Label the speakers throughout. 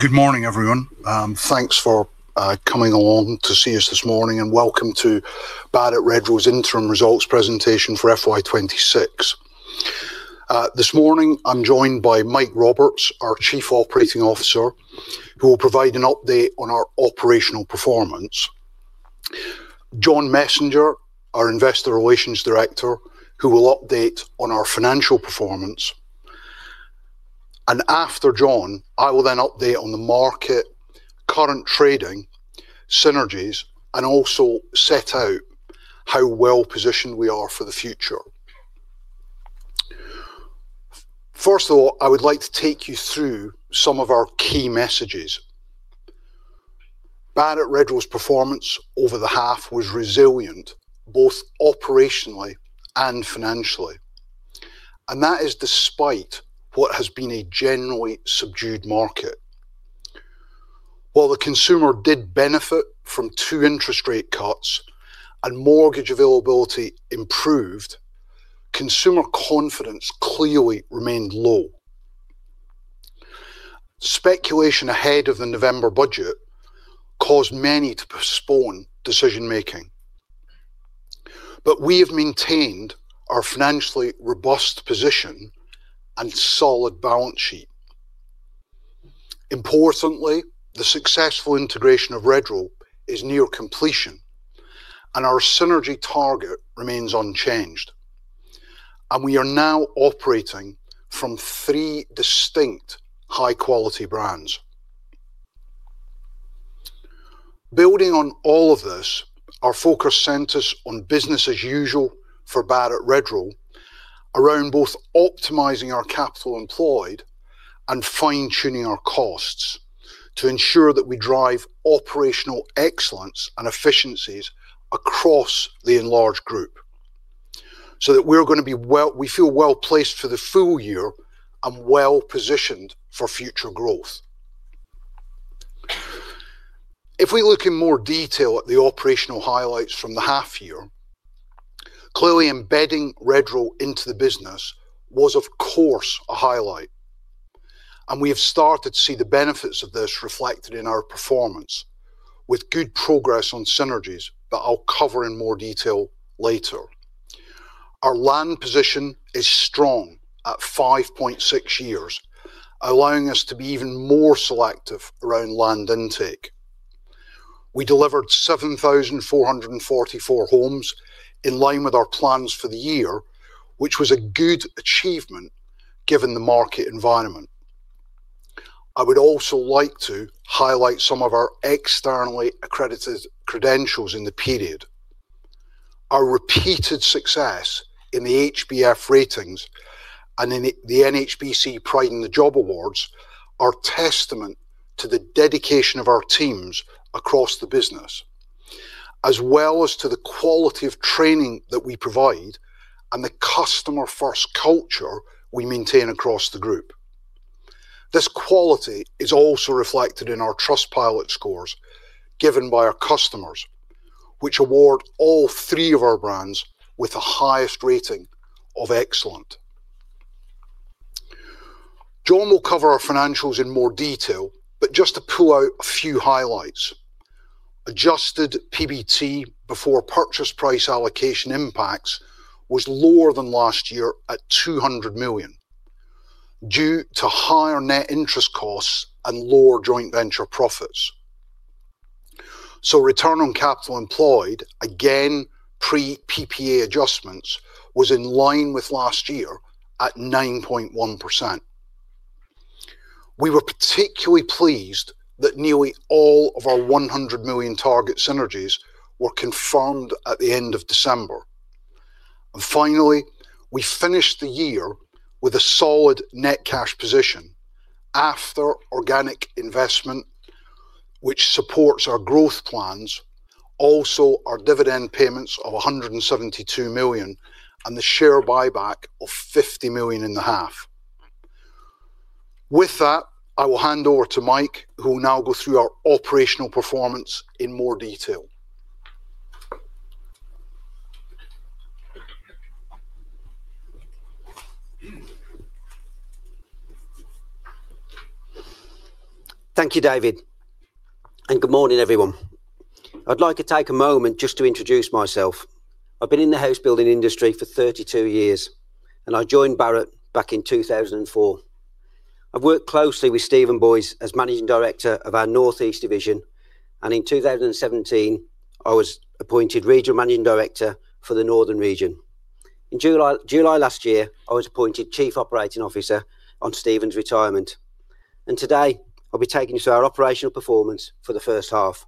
Speaker 1: Good morning, everyone. Thanks for coming along to see us this morning, and welcome to Barratt Redrow's interim results presentation for FY26. This morning I'm joined by Mike Roberts, our Chief Operating Officer, who will provide an update on our operational performance. John Messenger, our Investor Relations Director, who will update on our financial performance. After John, I will then update on the market, current trading synergies, and also set out how well positioned we are for the future. First of all, I would like to take you through some of our key messages. Barratt Redrow's performance over the half was resilient, both operationally and financially, and that is despite what has been a generally subdued market. While the consumer did benefit from two interest rate cuts and mortgage availability improved, consumer confidence clearly remained low. Speculation ahead of the November Budget caused many to postpone decision-making, but we have maintained our financially robust position and solid balance sheet. Importantly, the successful integration of Redrow is near completion, and our synergy target remains unchanged, and we are now operating from three distinct high-quality brands. Building on all of this, our focus centers on business as usual for Barratt Redrow, around both optimizing our capital employed and fine-tuning our costs to ensure that we drive operational excellence and efficiencies across the enlarged group, so that we're going to be well we feel well placed for the full year and well positioned for future growth. If we look in more detail at the operational highlights from the half year, clearly embedding Redrow into the business was, of course, a highlight, and we have started to see the benefits of this reflected in our performance, with good progress on synergies that I'll cover in more detail later. Our land position is strong at 5.6 years, allowing us to be even more selective around land intake. We delivered 7,444 homes in line with our plans for the year, which was a good achievement given the market environment. I would also like to highlight some of our externally accredited credentials in the period. Our repeated success in the HBF ratings and in the NHBC Pride in the Job Awards are a testament to the dedication of our teams across the business, as well as to the quality of training that we provide and the customer-first culture we maintain across the group. This quality is also reflected in our Trustpilot scores given by our customers, which award all three of our brands with the highest rating of excellent. John will cover our financials in more detail, but just to pull out a few highlights. Adjusted PBT before purchase price allocation impacts was lower than last year at 200 million due to higher net interest costs and lower joint venture profits. Return on capital employed, again pre-PPA adjustments, was in line with last year at 9.1%. We were particularly pleased that nearly all of our 100 million target synergies were confirmed at the end of December. Finally, we finished the year with a solid net cash position after organic investment, which supports our growth plans, also our dividend payments of 172 million and the share buyback of 50 million in the half. With that, I will hand over to Mike, who will now go through our operational performance in more detail.
Speaker 2: Thank you, David, and good morning, everyone. I'd like to take a moment just to introduce myself. I've been in the house building industry for 32 years, and I joined Barratt back in 2004. I've worked closely with Steven Boyes as Managing Director of our North East Division, and in 2017, I was appointed Regional Managing Director for the Northern Region. In July last year, I was appointed Chief Operating Officer on Steven's retirement, and today I'll be taking you through our operational performance for the first half.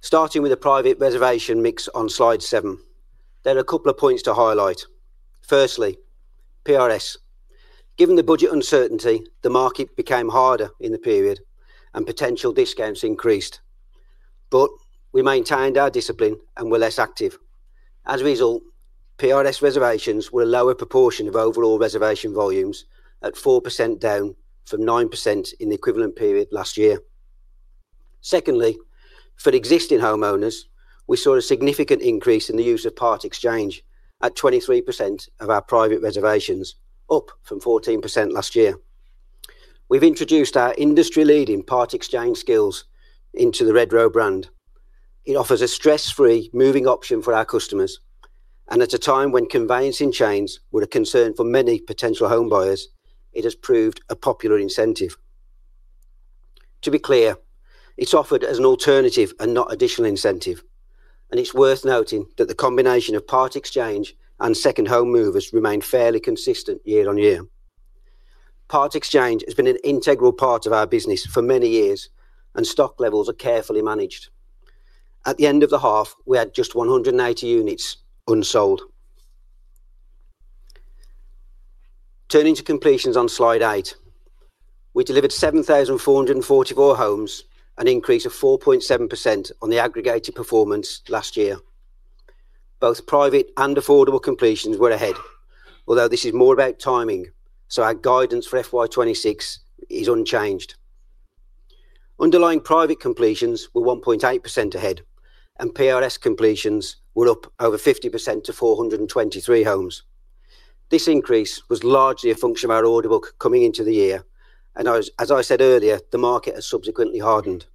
Speaker 2: Starting with the private reservation mix on slide seven, there are a couple of points to highlight. Firstly, PRS. Given the Budget uncertainty, the market became harder in the period, and potential discounts increased, but we maintained our discipline and were less active. As a result, PRS reservations were a lower proportion of overall reservation volumes, at 4% down from 9% in the equivalent period last year. Secondly, for existing homeowners, we saw a significant increase in the use of Part Exchange at 23% of our private reservations, up from 14% last year. We've introduced our industry-leading Part Exchange skills into the Redrow brand. It offers a stress-free moving option for our customers, and at a time when conveyancing chains were a concern for many potential home buyers, it has proved a popular incentive. To be clear, it's offered as an alternative and not additional incentive, and it's worth noting that the combination of Part Exchange and second home movers remained fairly consistent year on year. Part exchange has been an integral part of our business for many years, and stock levels are carefully managed. At the end of the half, we had just 180 units unsold. Turning to completions on slide eight, we delivered 7,444 homes, an increase of 4.7% on the aggregated performance last year. Both private and affordable completions were ahead, although this is more about timing, so our guidance for FY26 is unchanged. Underlying private completions were 1.8% ahead, and PRS completions were up over 50% to 423 homes. This increase was largely a function of our order book coming into the year, and as I said earlier, the market has subsequently hardened.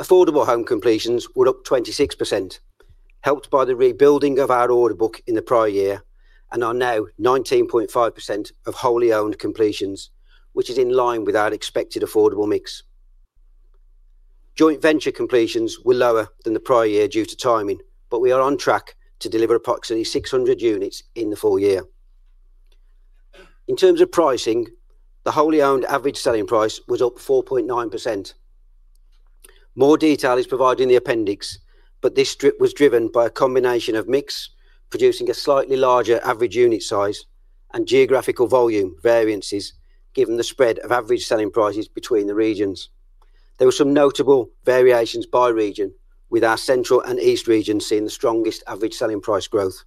Speaker 2: Affordable home completions were up 26%, helped by the rebuilding of our order book in the prior year, and are now 19.5% of wholly owned completions, which is in line with our expected affordable mix. Joint venture completions were lower than the prior year due to timing, but we are on track to deliver approximately 600 units in the full year. In terms of pricing, the wholly owned average selling price was up 4.9%. More detail is provided in the appendix, but this strip was driven by a combination of mix producing a slightly larger average unit size and geographical volume variances given the spread of average selling prices between the regions. There were some notable variations by region, with our Central and East Region seeing the strongest average selling price growth.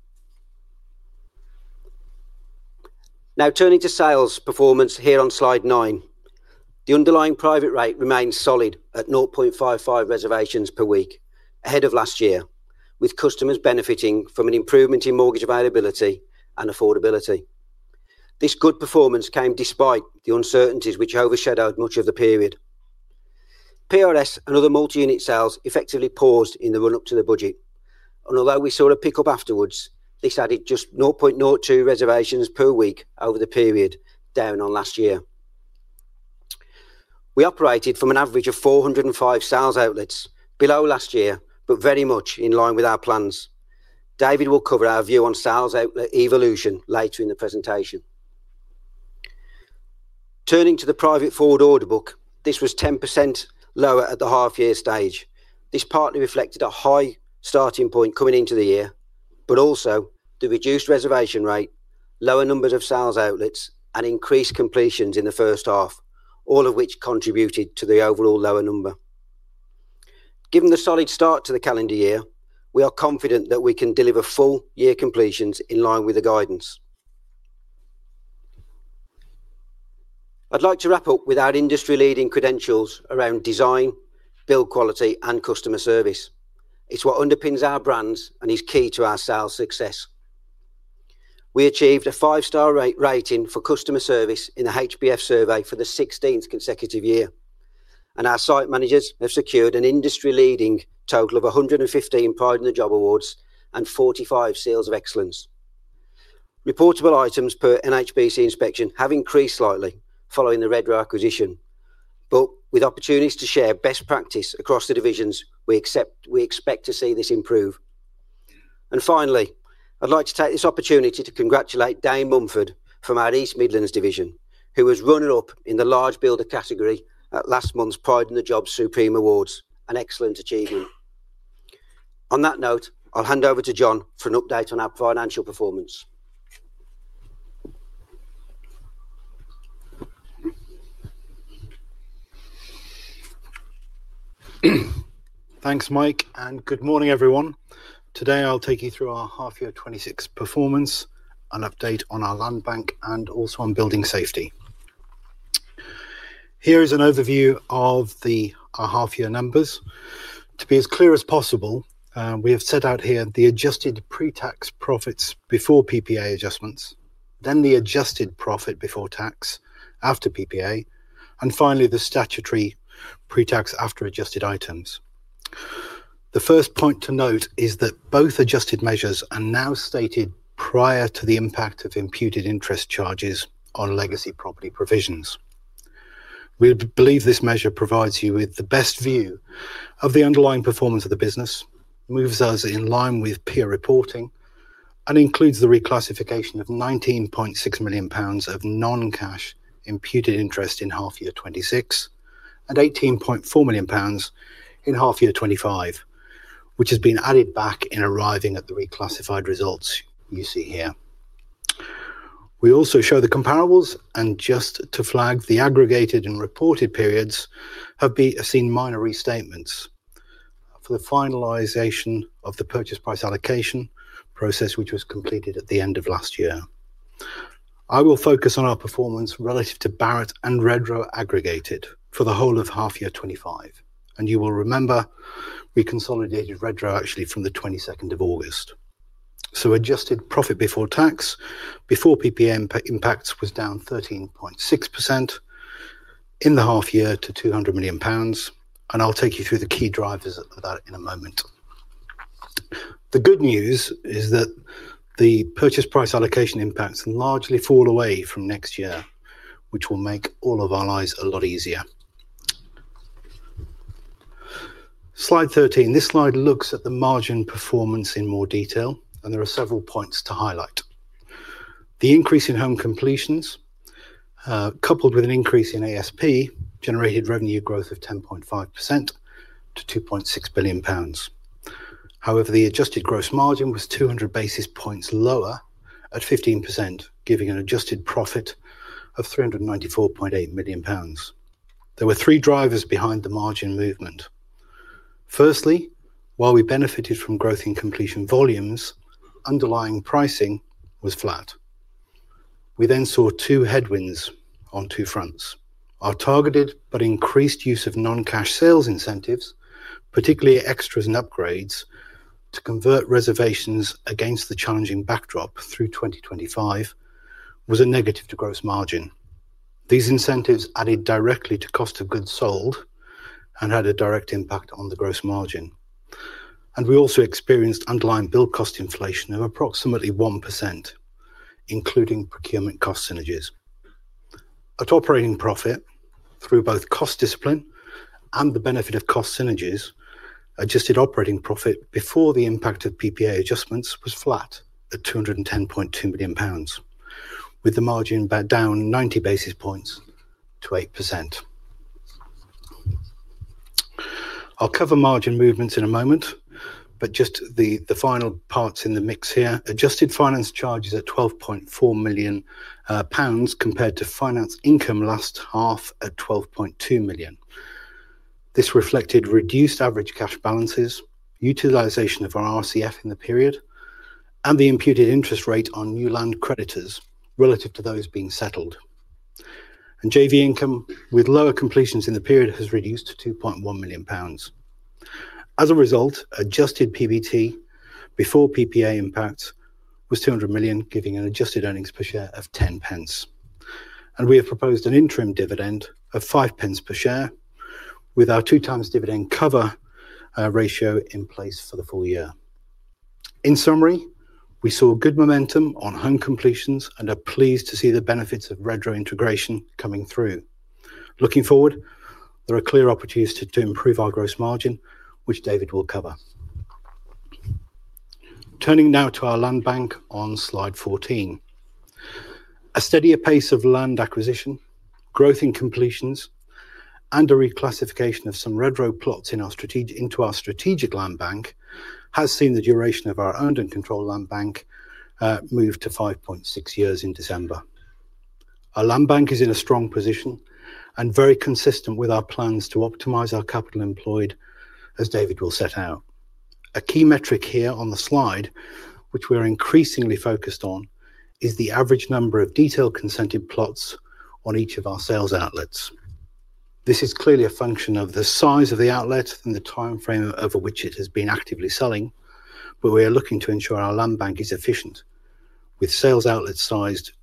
Speaker 2: Now turning to sales performance here on slide 9, the underlying private rate remained solid at 0.55 reservations per week ahead of last year, with customers benefiting from an improvement in mortgage availability and affordability. This good performance came despite the uncertainties which overshadowed much of the period. PRS and other multi-unit sales effectively paused in the run-up to the budget, and although we saw a pickup afterwards, this added just 0.02 reservations per week over the period, down on last year. We operated from an average of 405 sales outlets, below last year but very much in line with our plans. David will cover our view on sales outlet evolution later in the presentation. Turning to the private forward order book, this was 10% lower at the half-year stage. This partly reflected a high starting point coming into the year, but also the reduced reservation rate, lower numbers of sales outlets, and increased completions in the first half, all of which contributed to the overall lower number. Given the solid start to the calendar year, we are confident that we can deliver full year completions in line with the guidance. I'd like to wrap up with our industry-leading credentials around design, build quality, and customer service. It's what underpins our brands and is key to our sales success. We achieved a five-star rating for customer service in the HBF survey for the 16th consecutive year, and our site managers have secured an industry-leading total of 115 Pride in the Job Awards and 45 Seals of Excellence. Reportable items per NHBC inspection have increased slightly following the Redrow acquisition, but with opportunities to share best practice across the divisions, we expect to see this improve. And finally, I'd like to take this opportunity to congratulate Dane Mumford from our East Midlands division, who was runner-up in the large builder category at last month's Pride in the Job Supreme Awards, an excellent achievement. On that note, I'll hand over to John for an update on our financial performance.
Speaker 3: Thanks, Mike, and good morning, everyone. Today I'll take you through our half-year 2026 performance, an update on our land bank, and also on building safety. Here is an overview of our half-year numbers. To be as clear as possible, we have set out here the adjusted pre-tax profits before PPA adjustments, then the adjusted profit before tax after PPA, and finally the statutory pre-tax after-adjusted items. The first point to note is that both adjusted measures are now stated prior to the impact of imputed interest charges on legacy property provisions. We believe this measure provides you with the best view o f the underlying performance of the business, moves us in line with peer reporting, and includes the reclassification of 19.6 million pounds of non-cash imputed interest in half-year 2026 and 18.4 million pounds in half-year 2025, which has been added back in arriving at the reclassified results you see here. We also show the comparables, and just to flag, the aggregated and reported periods have seen minor restatements for the finalization of the purchase price allocation process, which was completed at the end of last year. I will focus on our performance relative to Barratt and Redrow aggregated for the whole of half-year 2025, and you will remember we consolidated Redrow actually from the 22nd of August. So adjusted profit before tax before PPA impacts was down 13.6% in the half-year to 200 million pounds, and I'll take you through the key drivers of that in a moment. The good news is that the purchase price allocation impacts largely fall away from next year, which will make all of our lives a lot easier. Slide 13. This slide looks at the margin performance in more detail, and there are several points to highlight. The increase in home completions, coupled with an increase in ASP, generated revenue growth of 10.5% to 2.6 billion pounds. However, the adjusted gross margin was 200 basis points lower at 15%, giving an adjusted profit of 394.8 million pounds. There were three drivers behind the margin movement. Firstly, while we benefited from growth in completion volumes, underlying pricing was flat. We then saw two headwinds on two fronts. Our targeted but increased use of non-cash sales incentives, particularly extras and upgrades, to convert reservations against the challenging backdrop through 2025 was a negative to gross margin. These incentives added directly to cost of goods sold and had a direct impact on the gross margin. We also experienced underlying build cost inflation of approximately 1%, including procurement cost synergies. Our operating profit through both cost discipline and the benefit of cost synergies, adjusted operating profit before the impact of PPA adjustments was flat at 210.2 million pounds, with the margin down 90 basis points to 8%. I'll cover margin movements in a moment, but just the final parts in the mix here. Adjusted finance charges at 12.4 million pounds compared to finance income last half at 12.2 million. This reflected reduced average cash balances, utilization of our RCF in the period, and the imputed interest rate on new land creditors relative to those being settled. JV income with lower completions in the period has reduced to 2.1 million pounds. As a result, adjusted PBT before PPA impacts was 200 million, giving an adjusted earnings per share of 0.10. We have proposed an interim dividend of 0.05 per share with our 2x dividend cover ratio in place for the full year. In summary, we saw good momentum on home completions and are pleased to see the benefits of Redrow integration coming through. Looking forward, there are clear opportunities to improve our gross margin, which David will cover. Turning now to our land bank on slide 14. A steadier pace of land acquisition, growth in completions, and a reclassification of some Redrow plots into our strategic land bank has seen the duration of our owned and controlled land bank move to 5.6 years in December. Our land bank is in a strong position and very consistent with our plans to optimize our capital employed, as David will set out. A key metric here on the slide, which we are increasingly focused on, is the average number of detailed consented plots on each of our sales outlets. This is clearly a function of the size of the outlet and the timeframe over which it has been actively selling, but we are looking to ensure our land bank is efficient, with sales outlets sized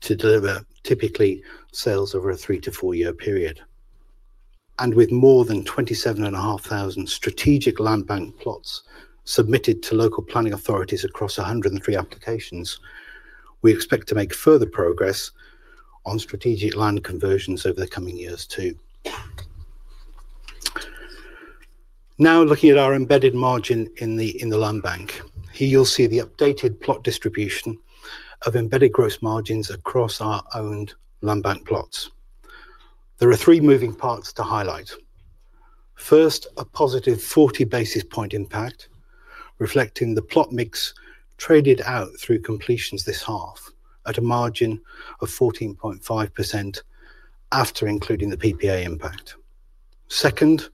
Speaker 3: to deliver typically sales over a three to four year period. With more than 27,500 strategic land bank plots submitted to local planning authorities across 103 applications, we expect to make further progress on strategic land conversions over the coming years too. Now looking at our embedded margin in the land bank, here you'll see the updated plot distribution of embedded gross margins across our owned land bank plots. There are three moving parts to highlight. First, a positive 40 basis point impact reflecting the plot mix traded out through completions this half at a margin of 14.5% after including the PPA impact. Second,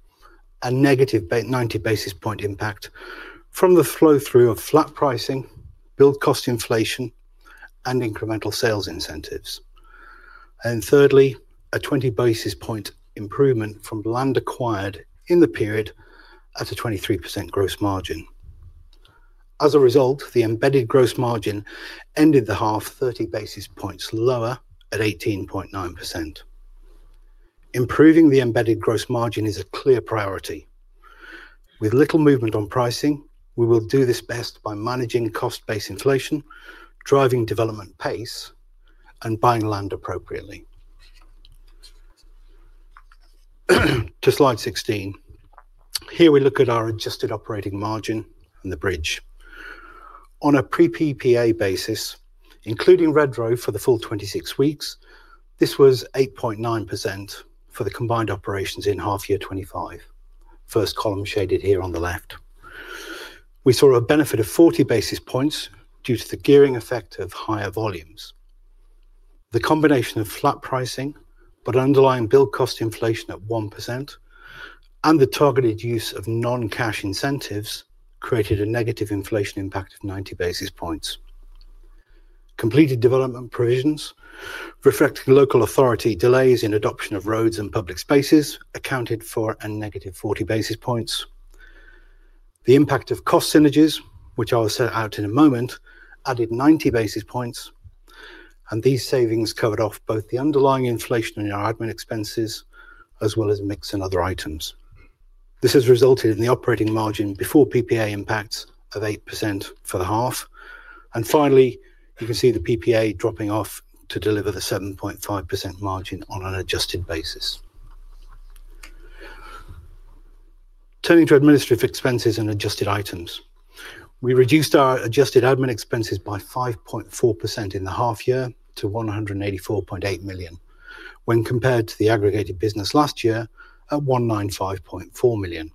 Speaker 3: a negative 90 basis point impact from the flow-through of flat pricing, build cost inflation, and incremental sales incentives. And thirdly, a 20 basis point improvement from land acquired in the period at a 23% gross margin. As a result, the embedded gross margin ended the half 30 basis points lower at 18.9%. Improving the embedded gross margin is a clear priority. With little movement on pricing, we will do this best by managing cost-based inflation, driving development pace, and buying land appropriately. To slide 16. Here we look at our adjusted operating margin and the bridge. On a pre-PPA basis, including Redrow for the full 26 weeks, this was 8.9% for the combined operations in half-year 2025, first column shaded here on the left. We saw a benefit of 40 basis points due to the gearing effect of higher volumes. The combination of flat pricing but underlying build cost inflation at 1% and the targeted use of non-cash incentives created a negative inflation impact of 90 basis points. Completed development provisions reflecting local authority delays in adoption of roads and public spaces accounted for a negative 40 basis points. The impact of cost synergies, which I will set out in a moment, added 90 basis points, and these savings covered off both the underlying inflation in our admin expenses as well as mix and other items. This has resulted in the operating margin before PPA impacts of 8% for the half. And finally, you can see the PPA dropping off to deliver the 7.5% margin on an adjusted basis. Turning to administrative expenses and adjusted items. We reduced our adjusted admin expenses by 5.4% in the half-year to 184.8 million when compared to the aggregated business last year at 195.4 million.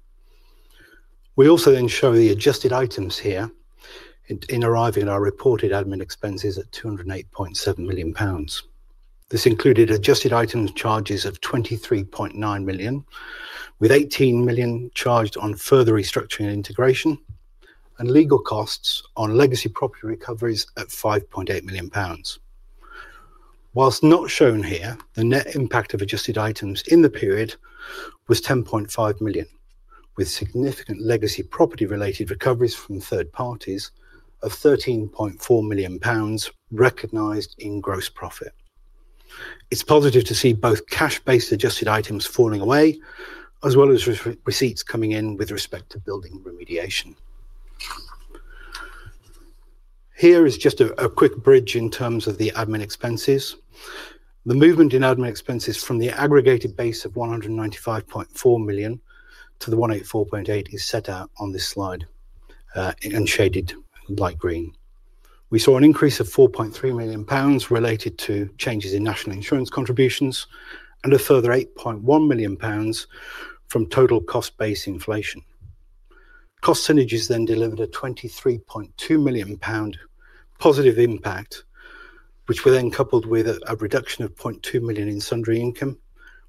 Speaker 3: We also then show the adjusted items here in arriving at our reported admin expenses at 208.7 million pounds. This included adjusted items charges of 23.9 million, with 18 million charged on further restructuring and integration, and legal costs on legacy property recoveries at 5.8 million pounds. While not shown here, the net impact of adjusted items in the period was 10.5 million, with significant legacy property-related recoveries from third parties of 13.4 million pounds recognised in gross profit. It's positive to see both cash-based adjusted items falling away as well as receipts coming in with respect to building remediation. Here is just a quick bridge in terms of the admin expenses. The movement in admin expenses from the aggregated base of 195.4 million to the 184.8 is set out on this slide and shaded light green. We saw an increase of 4.3 million pounds related to changes in national insurance contributions and a further 8.1 million pounds from total cost-based inflation. Cost synergies then delivered a 23.2 million pound positive impact, which were then coupled with a reduction of 0.2 million in sundry income,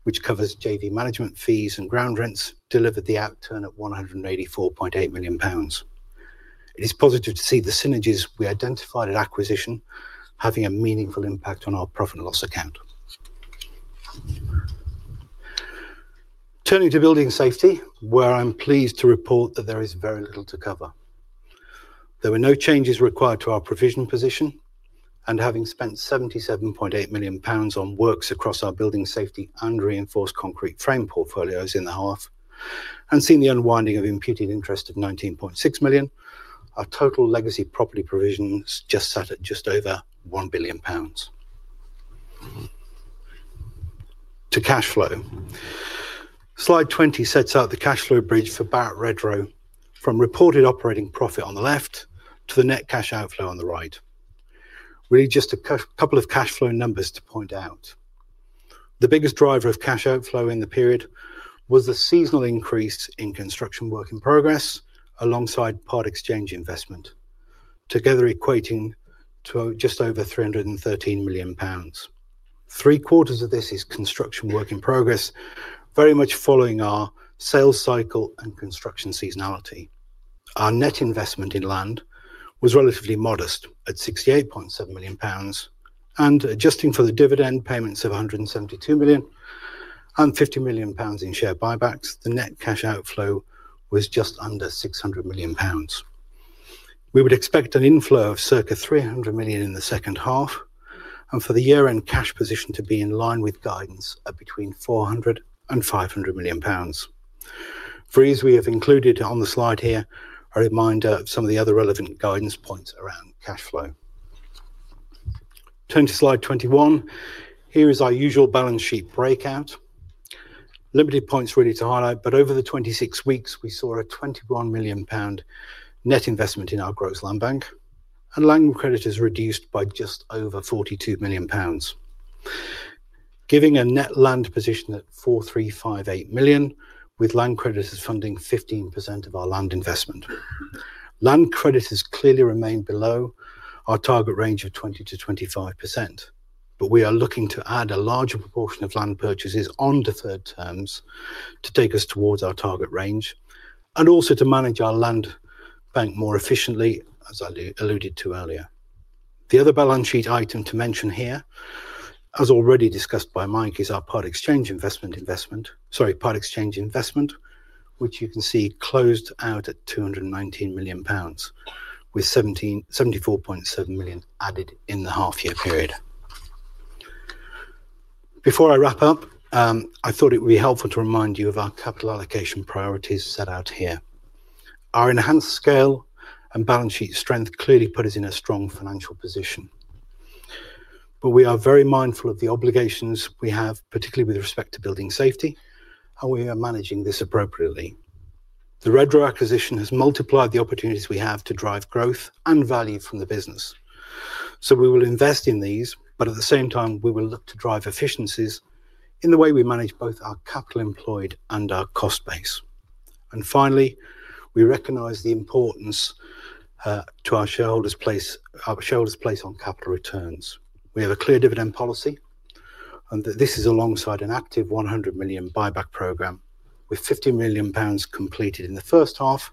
Speaker 3: which covers JV management fees and ground rents, delivered the outturn at 184.8 million pounds. It is positive to see the synergies we identified at acquisition having a meaningful impact on our profit and loss account. Turning to building safety, where I'm pleased to report that there is very little to cover. There were no changes required to our provision position, and having spent 77.8 million pounds on works across our building safety and reinforced concrete frame portfolios in the half, and seen the unwinding of imputed interest of 19.6 million, our total legacy property provisions just sat at just over 1 billion pounds. To cash flow. Slide 20 sets out the cash flow bridge for Barratt Redrow from reported operating profit on the left to the net cash outflow on the right. Really just a couple of cash flow numbers to point out. The biggest driver of cash outflow in the period was the seasonal increase in construction work in progress alongside part exchange investment, together equating to just over 313 million pounds. Three-quarters of this is construction work in progress, very much following our sales cycle and construction seasonality. Our net investment in land was relatively modest at 68.7 million pounds, and adjusting for the dividend payments of 172 million and 50 million pounds in share buybacks, the net cash outflow was just under 600 million pounds. We would expect an inflow of circa 300 million in the second half and for the year-end cash position to be in line with guidance at between 400 million pounds and GBP 500 million. For ease we have included on the slide here a reminder of some of the other relevant guidance points around cash flow. Turning to slide 21. Here is our usual balance sheet breakout. Limited points really to highlight, but over the 26 weeks, we saw a 21 million pound net investment in our gross land bank and land creditors reduced by just over 42 million pounds, giving a net land position at 4,358 million with land creditors funding 15% of our land investment. Land creditors clearly remain below our target range of 20%-25%, but we are looking to add a larger proportion of land purchases on deferred terms to take us towards our target range and also to manage our land bank more efficiently, as I alluded to earlier. The other balance sheet item to mention here, as already discussed by Mike, is our part exchange investment, which you can see closed out at 219 million pounds with 74.7 million added in the half-year period. Before I wrap up, I thought it would be helpful to remind you of our capital allocation priorities set out here. Our enhanced scale and balance sheet strength clearly put us in a strong financial position. But we are very mindful of the obligations we have, particularly with respect to building safety, and we are managing this appropriately. The Redrow acquisition has multiplied the opportunities we have to drive growth and value from the business. We will invest in these, but at the same time, we will look to drive efficiencies in the way we manage both our capital employed and our cost base. Finally, we recognize the importance to our shareholders' place on capital returns. We have a clear dividend policy, and this is alongside an active 100 million buyback program with 50 million pounds completed in the first half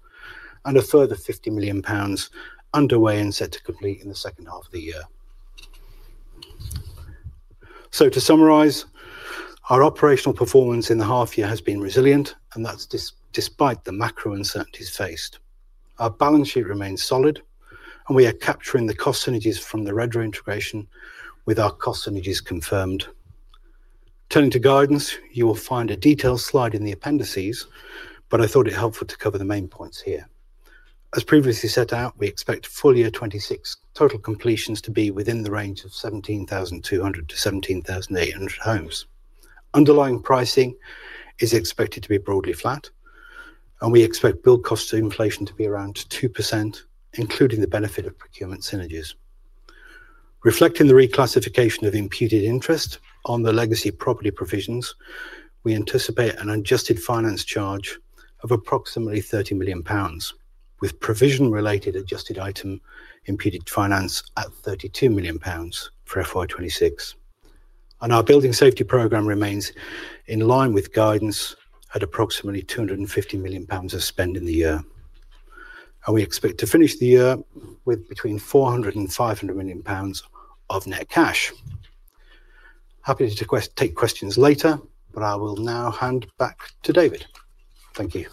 Speaker 3: and a further 50 million pounds underway and set to complete in the second half of the year. To summarize, our operational performance in the half-year has been resilient, and that's despite the macro uncertainties faced. Our balance sheet remains solid, and we are capturing the cost synergies from the Redrow integration with our cost synergies confirmed. Turning to guidance, you will find a detailed slide in the appendices, but I thought it helpful to cover the main points here. As previously set out, we expect full year 26 total completions to be within the range of 17,200-17,800 homes. Underlying pricing is expected to be broadly flat, and we expect build cost inflation to be around 2%, including the benefit of procurement synergies. Reflecting the reclassification of imputed interest on the legacy property provisions, we anticipate an adjusted finance charge of approximately 30 million pounds, with provision-related adjusted item imputed finance at 32 million pounds for FY26. Our building safety programme remains in line with guidance at approximately 250 million pounds of spend in the year. We expect to finish the year with between 400 million pounds and 500 million pounds of net cash. Happy to take questions later, but I will now hand back to David. Thank you.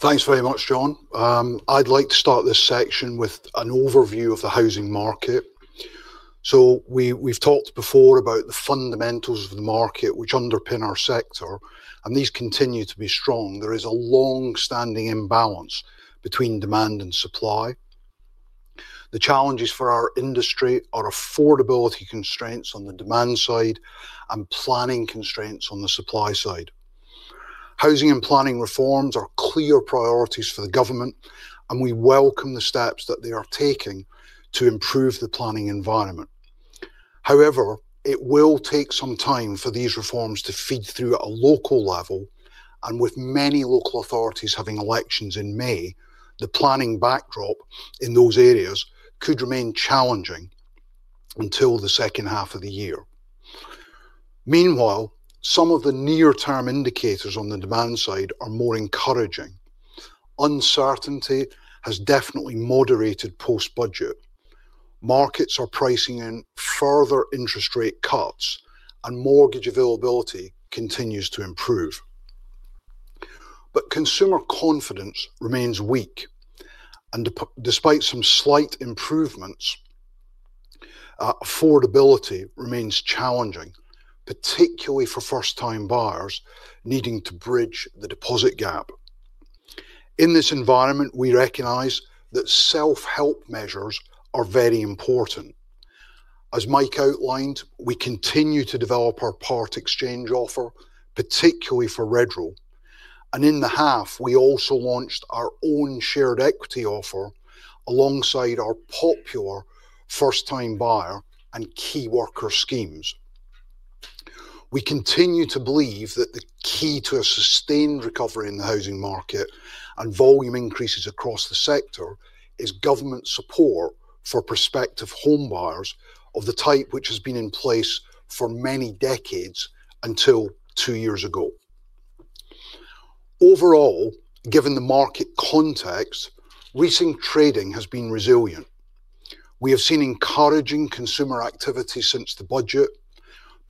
Speaker 1: Thanks very much, John. I'd like to start this section with an overview of the housing market. We've talked before about the fundamentals of the market which underpin our sector, and these continue to be strong. There is a long-standing imbalance between demand and supply. The challenges for our industry are affordability constraints on the demand side and planning constraints on the supply side. Housing and planning reforms are clear priorities for the government, and we welcome the steps that they are taking to improve the planning environment. However, it will take some time for these reforms to feed through at a local level, and with many local authorities having elections in May, the planning backdrop in those areas could remain challenging until the second half of the year. Meanwhile, some of the near-term indicators on the demand side are more encouraging. Uncertainty has definitely moderated post-budget. Markets are pricing in further interest rate cuts, and mortgage availability continues to improve. But consumer confidence remains weak, and despite some slight improvements, affordability remains challenging, particularly for first-time buyers needing to bridge the deposit gap. In this environment, we recognize that self-help measures are very important. As Mike outlined, we continue to develop our part exchange offer, particularly for Redrow, and in the half, we also launched our own shared equity offer alongside our popular first-time buyer and key worker schemes. We continue to believe that the key to a sustained recovery in the housing market and volume increases across the sector is government support for prospective home buyers of the type which has been in place for many decades until two years ago. Overall, given the market context, recent trading has been resilient. We have seen encouraging consumer activity since the budget,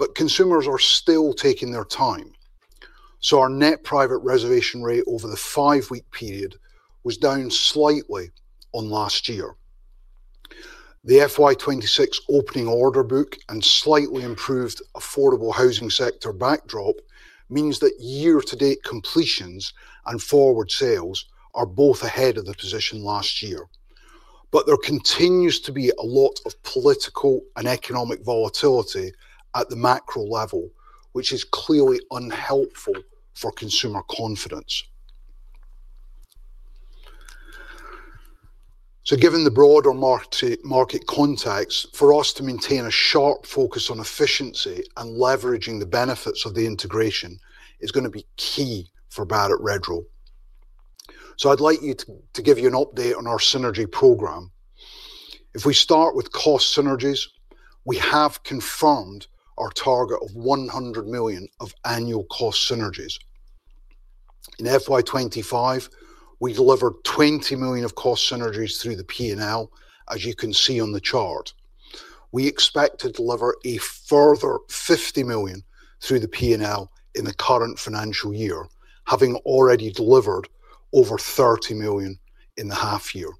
Speaker 1: but consumers are still taking their time. So our net private reservation rate over the five-week period was down slightly on last year. The FY26 opening order book and slightly improved affordable housing sector backdrop means that year-to-date completions and forward sales are both ahead of the position last year. But there continues to be a lot of political and economic volatility at the macro level, which is clearly unhelpful for consumer confidence. So given the broader market context, for us to maintain a sharp focus on efficiency and leveraging the benefits of the integration is going to be key for Barratt Redrow. So I'd like to give you an update on our synergy program. If we start with cost synergies, we have confirmed our target of 100 million of annual cost synergies. In FY25, we delivered 20 million of cost synergies through the P&L, as you can see on the chart. We expect to deliver a further 50 million through the P&L in the current financial year, having already delivered over 30 million in the half-year.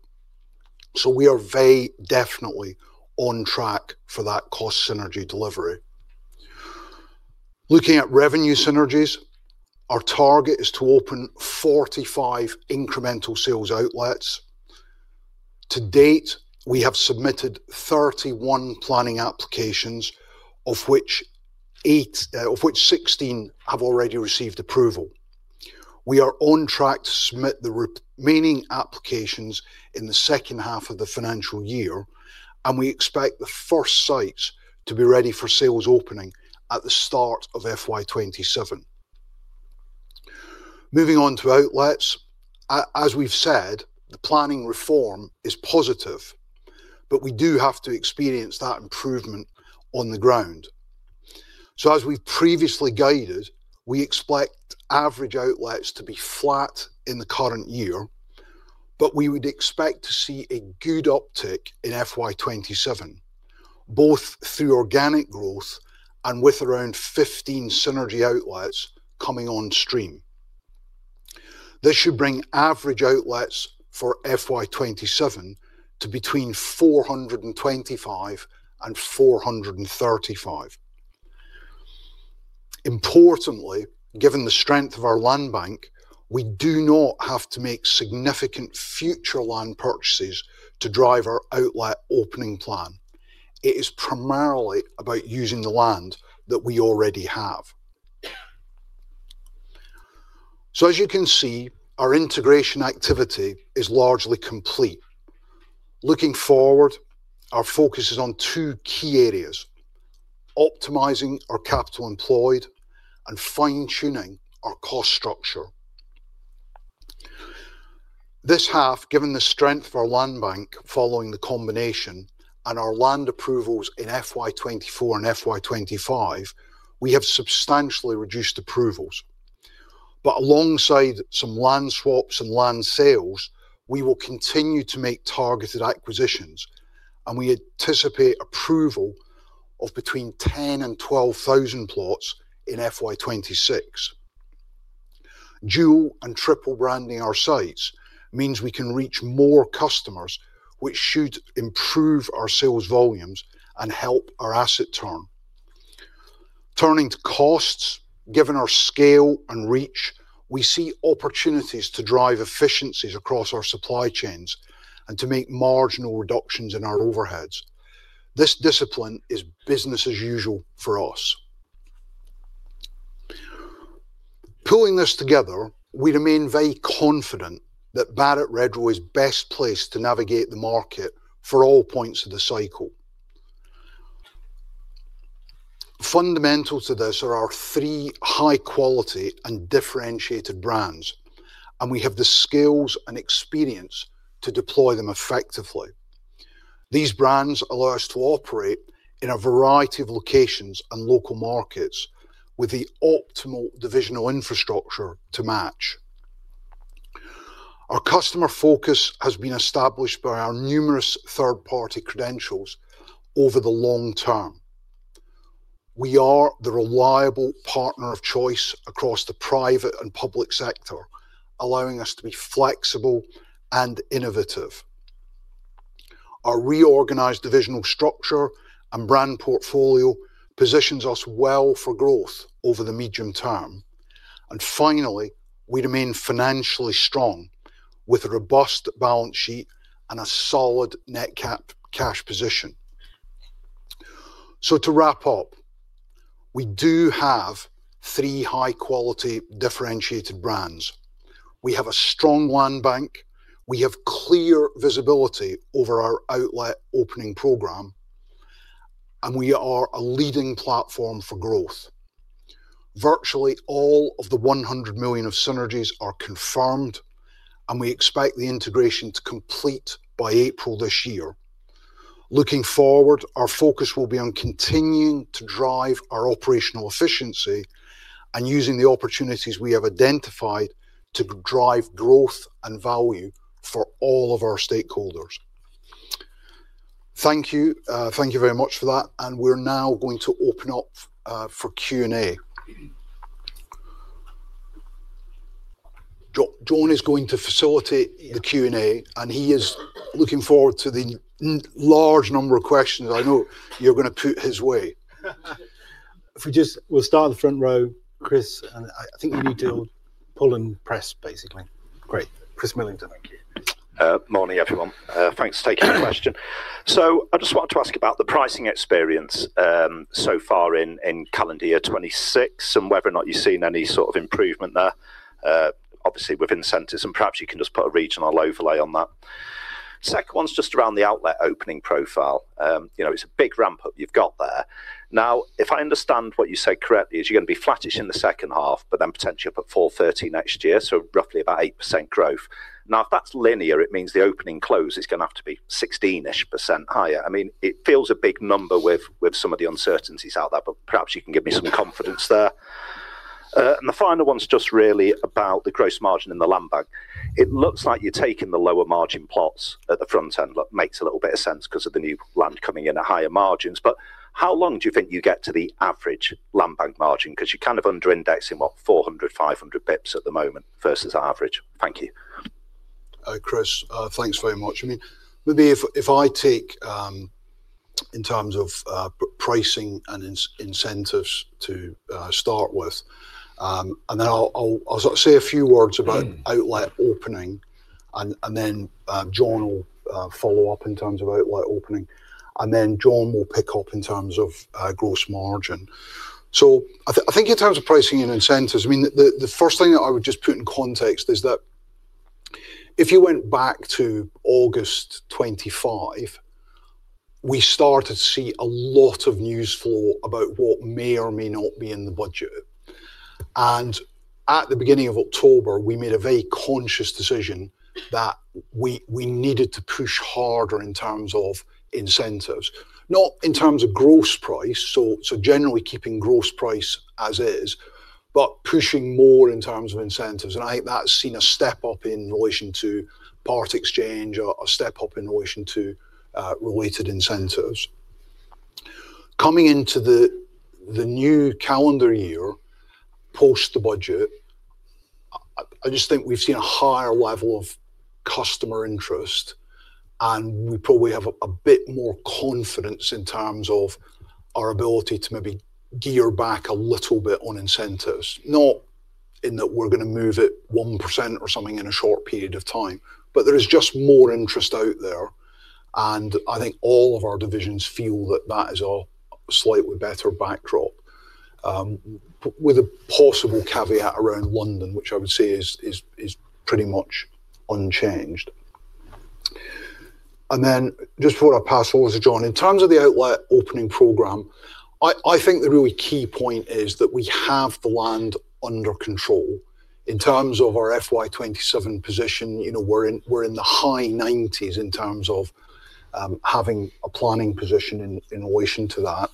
Speaker 1: So we are very definitely on track for that cost synergy delivery. Looking at revenue synergies, our target is to open 45 incremental sales outlets. To date, we have submitted 31 planning applications, of which 16 have already received approval. We are on track to submit the remaining applications in the second half of the financial year, and we expect the first sites to be ready for sales opening at the start of FY27. Moving on to outlets, as we've said, the planning reform is positive, but we do have to experience that improvement on the ground. So as we've previously guided, we expect average outlets to be flat in the current year, but we would expect to see a good uptick in FY27, both through organic growth and with around 15 synergy outlets coming on stream. This should bring average outlets for FY27 to between 425 and 435. Importantly, given the strength of our land bank, we do not have to make significant future land purchases to drive our outlet opening plan. It is primarily about using the land that we already have. So as you can see, our integration activity is largely complete. Looking forward, our focus is on two key areas: optimizing our capital employed and fine-tuning our cost structure. This half, given the strength of our land bank following the combination and our land approvals in FY24 and FY25, we have substantially reduced approvals. But alongside some land swaps and land sales, we will continue to make targeted acquisitions, and we anticipate approval of between 10,000 and 12,000 plots in FY26. Dual and triple branding our sites means we can reach more customers, which should improve our sales volumes and help our asset turn. Turning to costs, given our scale and reach, we see opportunities to drive efficiencies across our supply chains and to make marginal reductions in our overheads. This discipline is business as usual for us. Pulling this together, we remain very confident that Barratt Redrow is best placed to navigate the market for all points of the cycle. Fundamental to this are our three high-quality and differentiated brands, and we have the skills and experience to deploy them effectively. These brands allow us to operate in a variety of locations and local markets with the optimal divisional infrastructure to match. Our customer focus has been established by our numerous third-party credentials over the long term. We are the reliable partner of choice across the private and public sector, allowing us to be flexible and innovative. Our reorganized divisional structure and brand portfolio positions us well for growth over the medium term. And finally, we remain financially strong with a robust balance sheet and a solid net cash position. So to wrap up, we do have three high-quality differentiated brands. We have a strong land bank. We have clear visibility over our outlet opening program. And we are a leading platform for growth. Virtually all of the 100 million of synergies are confirmed, and we expect the integration to complete by April this year. Looking forward, our focus will be on continuing to drive our operational efficiency and using the opportunities we have identified to drive growth and value for all of our stakeholders. Thank you. Thank you very much for that. And we're now going to open up for Q&A. John is going to facilitate the Q&A, and he is looking forward to the large number of questions. I know you're going to put his way.
Speaker 3: If we just will start at the front row, Chris, and I think you need to pull and press basically. Great. Chris Millington.
Speaker 4: Thank you. Morning, everyone. Thanks for taking the question. So I just wanted to ask about the pricing experience so far in calendar year 2026 and whether or not you've seen any sort of improvement there. Obviously, with incentives, and perhaps you can just put a regional overlay on that. Second one's just around the outlet opening profile. It's a big ramp-up you've got there. Now, if I understand what you said correctly, is you're going to be flattish in the second half, but then potentially up at 430 next year, so roughly about 8% growth. Now, if that's linear, it means the opening close is going to have to be 16-ish% higher. I mean, it feels a big number with some of the uncertainties out there, but perhaps you can give me some confidence there. The final one's just really about the gross margin in the land bank. It looks like you're taking the lower margin plots at the front end. Look, makes a little bit of sense because of the new land coming in at higher margins. But how long do you think you get to the average land bank margin? Because you're kind of underindexing what, 400, 500 basis points at the moment versus average. Thank you.
Speaker 2: Chris, thanks very much. I mean, maybe if I take in terms of pricing and incentives to start with, and then I'll say a few words about outlet opening, and then John will follow up in terms of outlet opening, and then John will pick up in terms of gross margin. So I think in terms of pricing and incentives, I mean, the first thing that I would just put in context is that if you went back to August 25, we started to see a lot of news flow about what may or may not be in the budget. At the beginning of October, we made a very conscious decision that we needed to push harder in terms of incentives, not in terms of gross price. Generally keeping gross price as is, but pushing more in terms of incentives. And I think that's seen a step up in relation to part exchange or a step up in relation to related incentives. Coming into the new calendar year post the budget, I just think we've seen a higher level of customer interest, and we probably have a bit more confidence in terms of our ability to maybe gear back a little bit on incentives, not in that we're going to move it 1% or something in a short period of time, but there is just more interest out there. And I think all of our divisions feel that that is a slightly better backdrop, with a possible caveat around London, which I would say is pretty much unchanged. And then just before I pass over to John, in terms of the outlet opening program, I think the really key point is that we have the land under control in terms of our FY27 position. We're in the high 90s in terms of having a planning position in relation to that.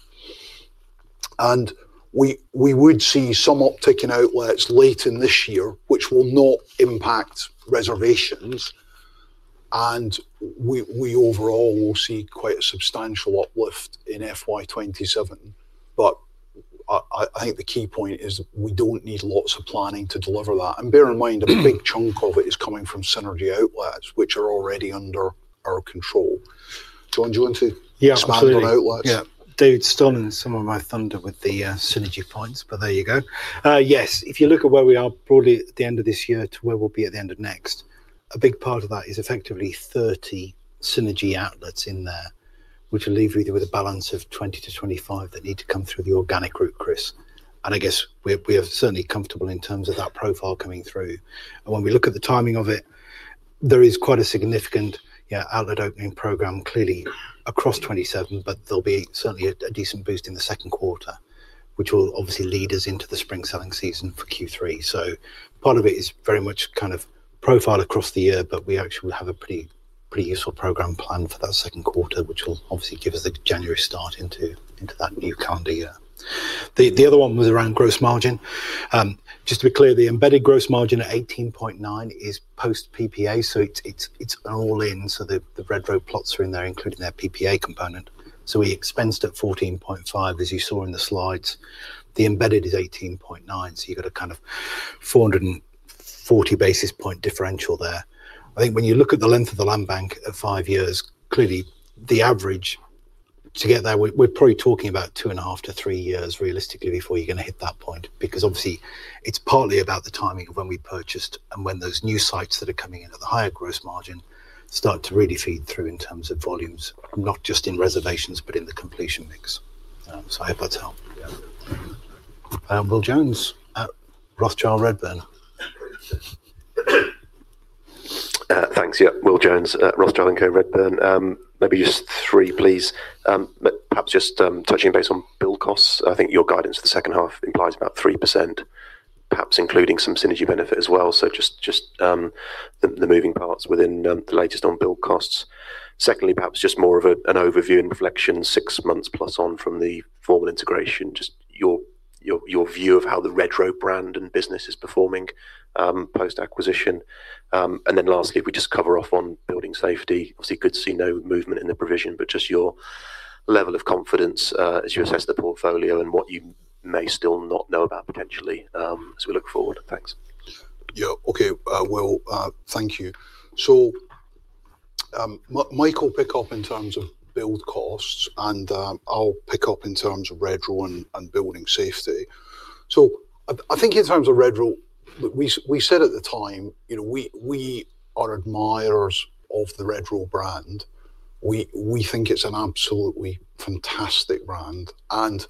Speaker 2: And we would see some uptick in outlets late in this year, which will not impact reservations. And we overall will see quite a substantial uplift in FY27. But I think the key point is we don't need lots of planning to deliver that. And bear in mind, a big chunk of it is coming from synergy outlets, which are already under our control. John, do you want to expand on outlets?
Speaker 3: Yeah. David's stolen some of my thunder with the synergy points, but there you go. Yes, if you look at where we are broadly at the end of this year to where we'll be at the end of next, a big part of that is effectively 30 synergy outlets in there, which will leave you with a balance of 20-25 that need to come through the organic route, Chris. And I guess we are certainly comfortable in terms of that profile coming through. And when we look at the timing of it, there is quite a significant outlet opening programme clearly across 27, but there'll be certainly a decent boost in the second quarter, which will obviously lead us into the spring selling season for Q3. So part of it is very much kind of profile across the year, but we actually will have a pretty useful programme planned for that second quarter, which will obviously give us a January start into that new calendar year. The other one was around gross margin. Just to be clear, the embedded gross margin at 18.9% is post PPA, so it's an all-in. So the Redrow plots are in there, including their PPA component. So we expensed at 14.5%, as you saw in the slides. The embedded is 18.9%, so you've got a kind of 440 basis point differential there. I think when you look at the length of the land bank at five years, clearly the average to get there, we're probably talking about two and half to three years realistically before you're going to hit that point, because obviously it's partly about the timing of when we purchased and when those new sites that are coming in at the higher gross margin start to really feed through in terms of volumes, not just in reservations, but in the completion mix. So I hope that's helped. Will Jones, Redburn Atlantic.
Speaker 5: Thanks. Yeah, Will Jones, Rothschild & Co. Maybe just three, please. Perhaps just touching base on build costs. I think your guidance for the second half implies about 3%, perhaps including some synergy benefit as well. So just the moving parts within the latest on build costs. Secondly, perhaps just more of an overview and reflection six months plus on from the formal integration, just your view of how the Redrow brand and business is performing post acquisition. And then lastly, if we just cover off on building safety, obviously could see no movement in the provision, but just your level of confidence as you assess the portfolio and what you may still not know about potentially as we look forward. Thanks.
Speaker 2: Yeah. Okay, Will, thank you. So Michael, pick up in terms of build costs, and I'll pick up in terms of Redrow and building safety. So I think in terms of Redrow, we said at the time, we are admirers of the Redrow brand. We think it's an absolutely fantastic brand, and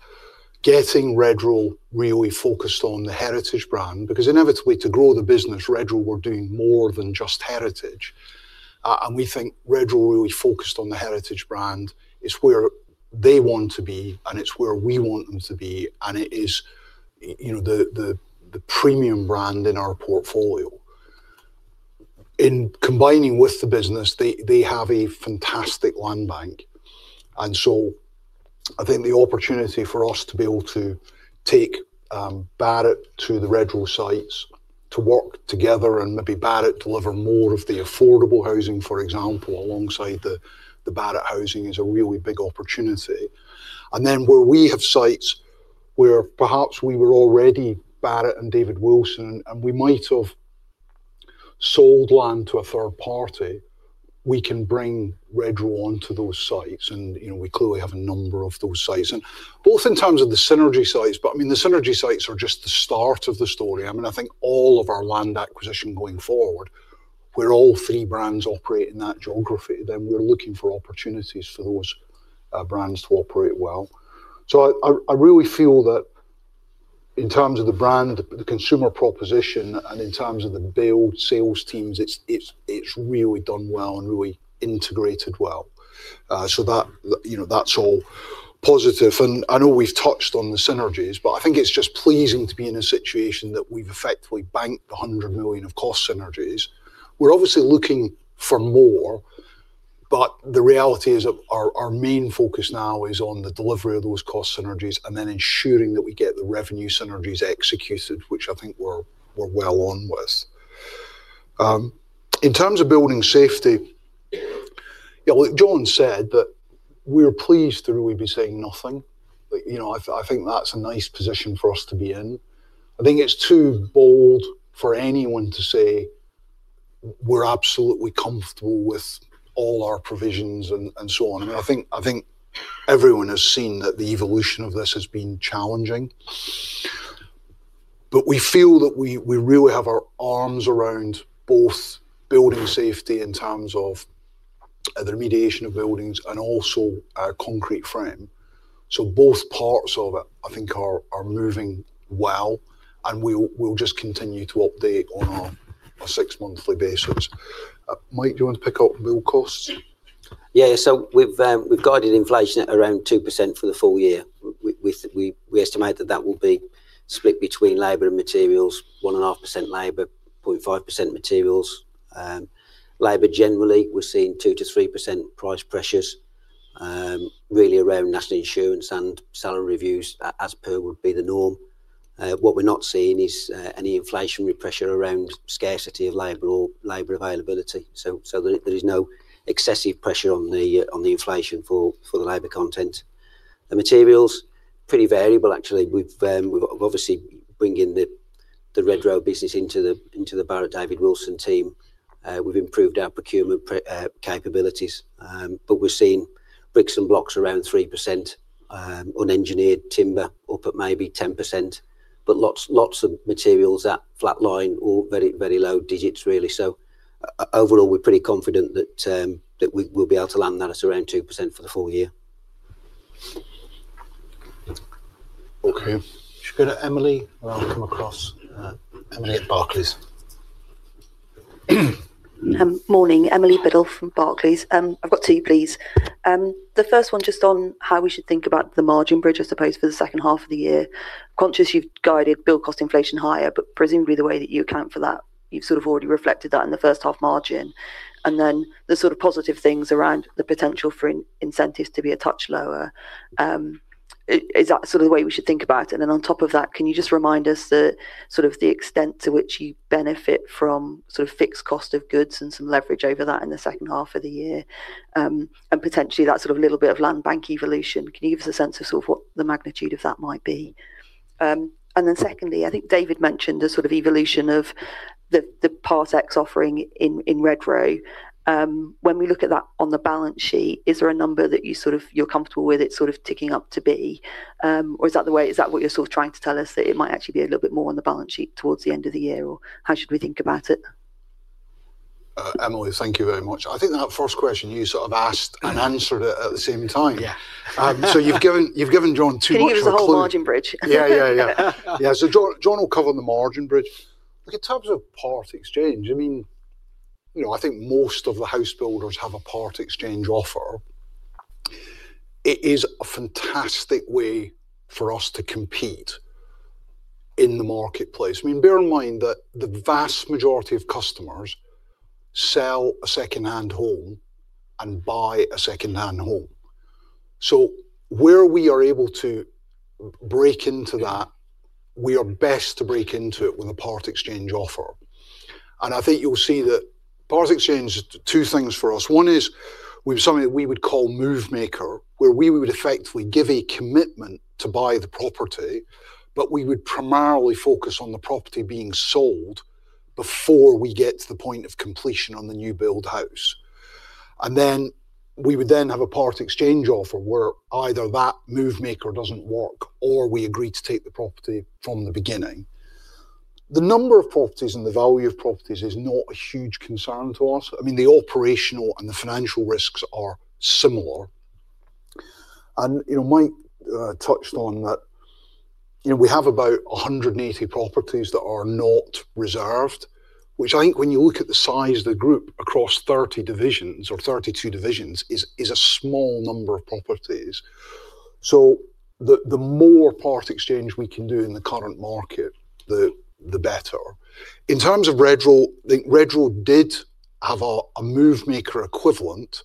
Speaker 2: getting Redrow really focused on the heritage brand, because inevitably to grow the business, Redrow were doing more than just heritage. And we think Redrow really focused on the heritage brand. It's where they want to be, and it's where we want them to be, and it is the premium brand in our portfolio. In combining with the business, they have a fantastic land bank. And so I think the opportunity for us to be able to take Barratt to the Redrow sites to work together and maybe Barratt deliver more of the affordable housing, for example, alongside the Barratt housing is a really big opportunity. And then where we have sites where perhaps we were already Barratt and David Wilson, and we might have sold land to a third party, we can bring Redrow onto those sites. And we clearly have a number of those sites, and both in terms of the synergy sites. But I mean, the synergy sites are just the start of the story. I mean, I think all of our land acquisition going forward, we're all three brands operating that geography. Then we're looking for opportunities for those brands to operate well. So I really feel that in terms of the brand, the consumer proposition, and in terms of the build sales teams, it's really done well and really integrated well. So that's all positive. And I know we've touched on the synergies, but I think it's just pleasing to be in a situation that we've effectively banked the 100 million of cost synergies. We're obviously looking for more, but the reality is our main focus now is on the delivery of those cost synergies and then ensuring that we get the revenue synergies executed, which I think we're well on with. In terms of building safety, John said that we're pleased to really be saying nothing. I think that's a nice position for us to be in. I think it's too bold for anyone to say we're absolutely comfortable with all our provisions and so on. I mean, I think everyone has seen that the evolution of this has been challenging. But we feel that we really have our arms around both building safety in terms of the remediation of buildings and also a concrete frame. So both parts of it, I think, are moving well, and we'll just continue to update on a six-monthly basis. Mike, do you want to pick up build costs? Yeah. So we've guided inflation at around 2% for the full year. We estimate that that will be split between labor and materials, 1.5% labor, 0.5% materials. Labor generally, we're seeing 2%-3% price pressures, really around National Insurance and salary reviews as per would be the norm. What we're not seeing is any inflationary pressure around scarcity of labor or labor availability. So there is no excessive pressure on the inflation for the labor content. The materials, pretty variable, actually. We've obviously bringing the Redrow business into the Barratt David Wilson team. We've improved our procurement capabilities, but we're seeing bricks and blocks around 3%, unengineered timber up at maybe 10%, but lots of materials that flat line or very, very low digits, really. So overall, we're pretty confident that we'll be able to land that at around 2% for the full year. Okay. Should we go to Emily? I'll come across Emily at Barclays.
Speaker 6: Morning, Emily Biddle from Barclays. I've got two, please. The first one just on how we should think about the margin bridge, I suppose, for the second half of the year. Conscious you've guided build cost inflation higher, but presumably the way that you account for that, you've sort of already reflected that in the first half margin. And then the sort of positive things around the potential for incentives to be a touch lower. Is that sort of the way we should think about it? And then on top of that, can you just remind us the sort of extent to which you benefit from sort of fixed cost of goods and some leverage over that in the second half of the year? Potentially that sort of little bit of land bank evolution, can you give us a sense of sort of what the magnitude of that might be? And then secondly, I think David mentioned the sort of evolution of the PX offering in Redrow. When we look at that on the balance sheet, is there a number that you're comfortable with it sort of ticking up to be? Or is that the way is that what you're sort of trying to tell us that it might actually be a little bit more on the balance sheet towards the end of the year, or how should we think about it?
Speaker 2: Emily, thank you very much. I think that first question you sort of asked and answered it at the same time. So you've given John too much of a clue.
Speaker 6: Can you give us the whole margin bridge?
Speaker 7: Yeah, yeah, yeah. Yeah. So John will cover on the margin bridge. Look, in terms of part exchange, I mean, I think most of the house builders have a part exchange offer. It is a fantastic way for us to compete in the marketplace. I mean, bear in mind that the vast majority of customers sell a second-hand home and buy a second-hand home. So where we are able to break into that, we are best to break into it with a part exchange offer. And I think you'll see that part exchange is two things for us. One is we have something that we would call Movemaker, where we would effectively give a commitment to buy the property, but we would primarily focus on the property being sold before we get to the point of completion on the new build house. And then we would then have a part exchange offer where either that Movemaker doesn't work or we agree to take the property from the beginning. The number of properties and the value of properties is not a huge concern to us. I mean, the operational and the financial risks are similar. And Mike touched on that we have about 180 properties that are not reserved, which I think when you look at the size of the group across 30 divisions or 32 divisions is a small number of properties. So the more part exchange we can do in the current market, the better. In terms of Redrow, I think Redrow did have a Movemaker equivalent,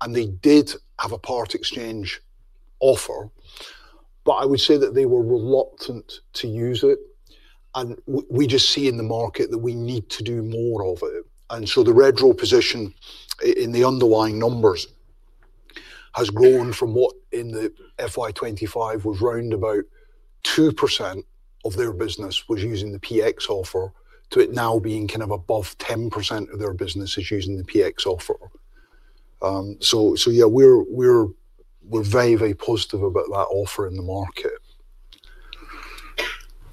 Speaker 7: and they did have a part exchange offer, but I would say that they were reluctant to use it. We just see in the market that we need to do more of it. So the Redrow position in the underlying numbers has grown from what in FY25 was around 2% of their business was using the PX offer to it now being kind of above 10% of their business is using the PX offer. So yeah, we're very, very positive about that offer in the market.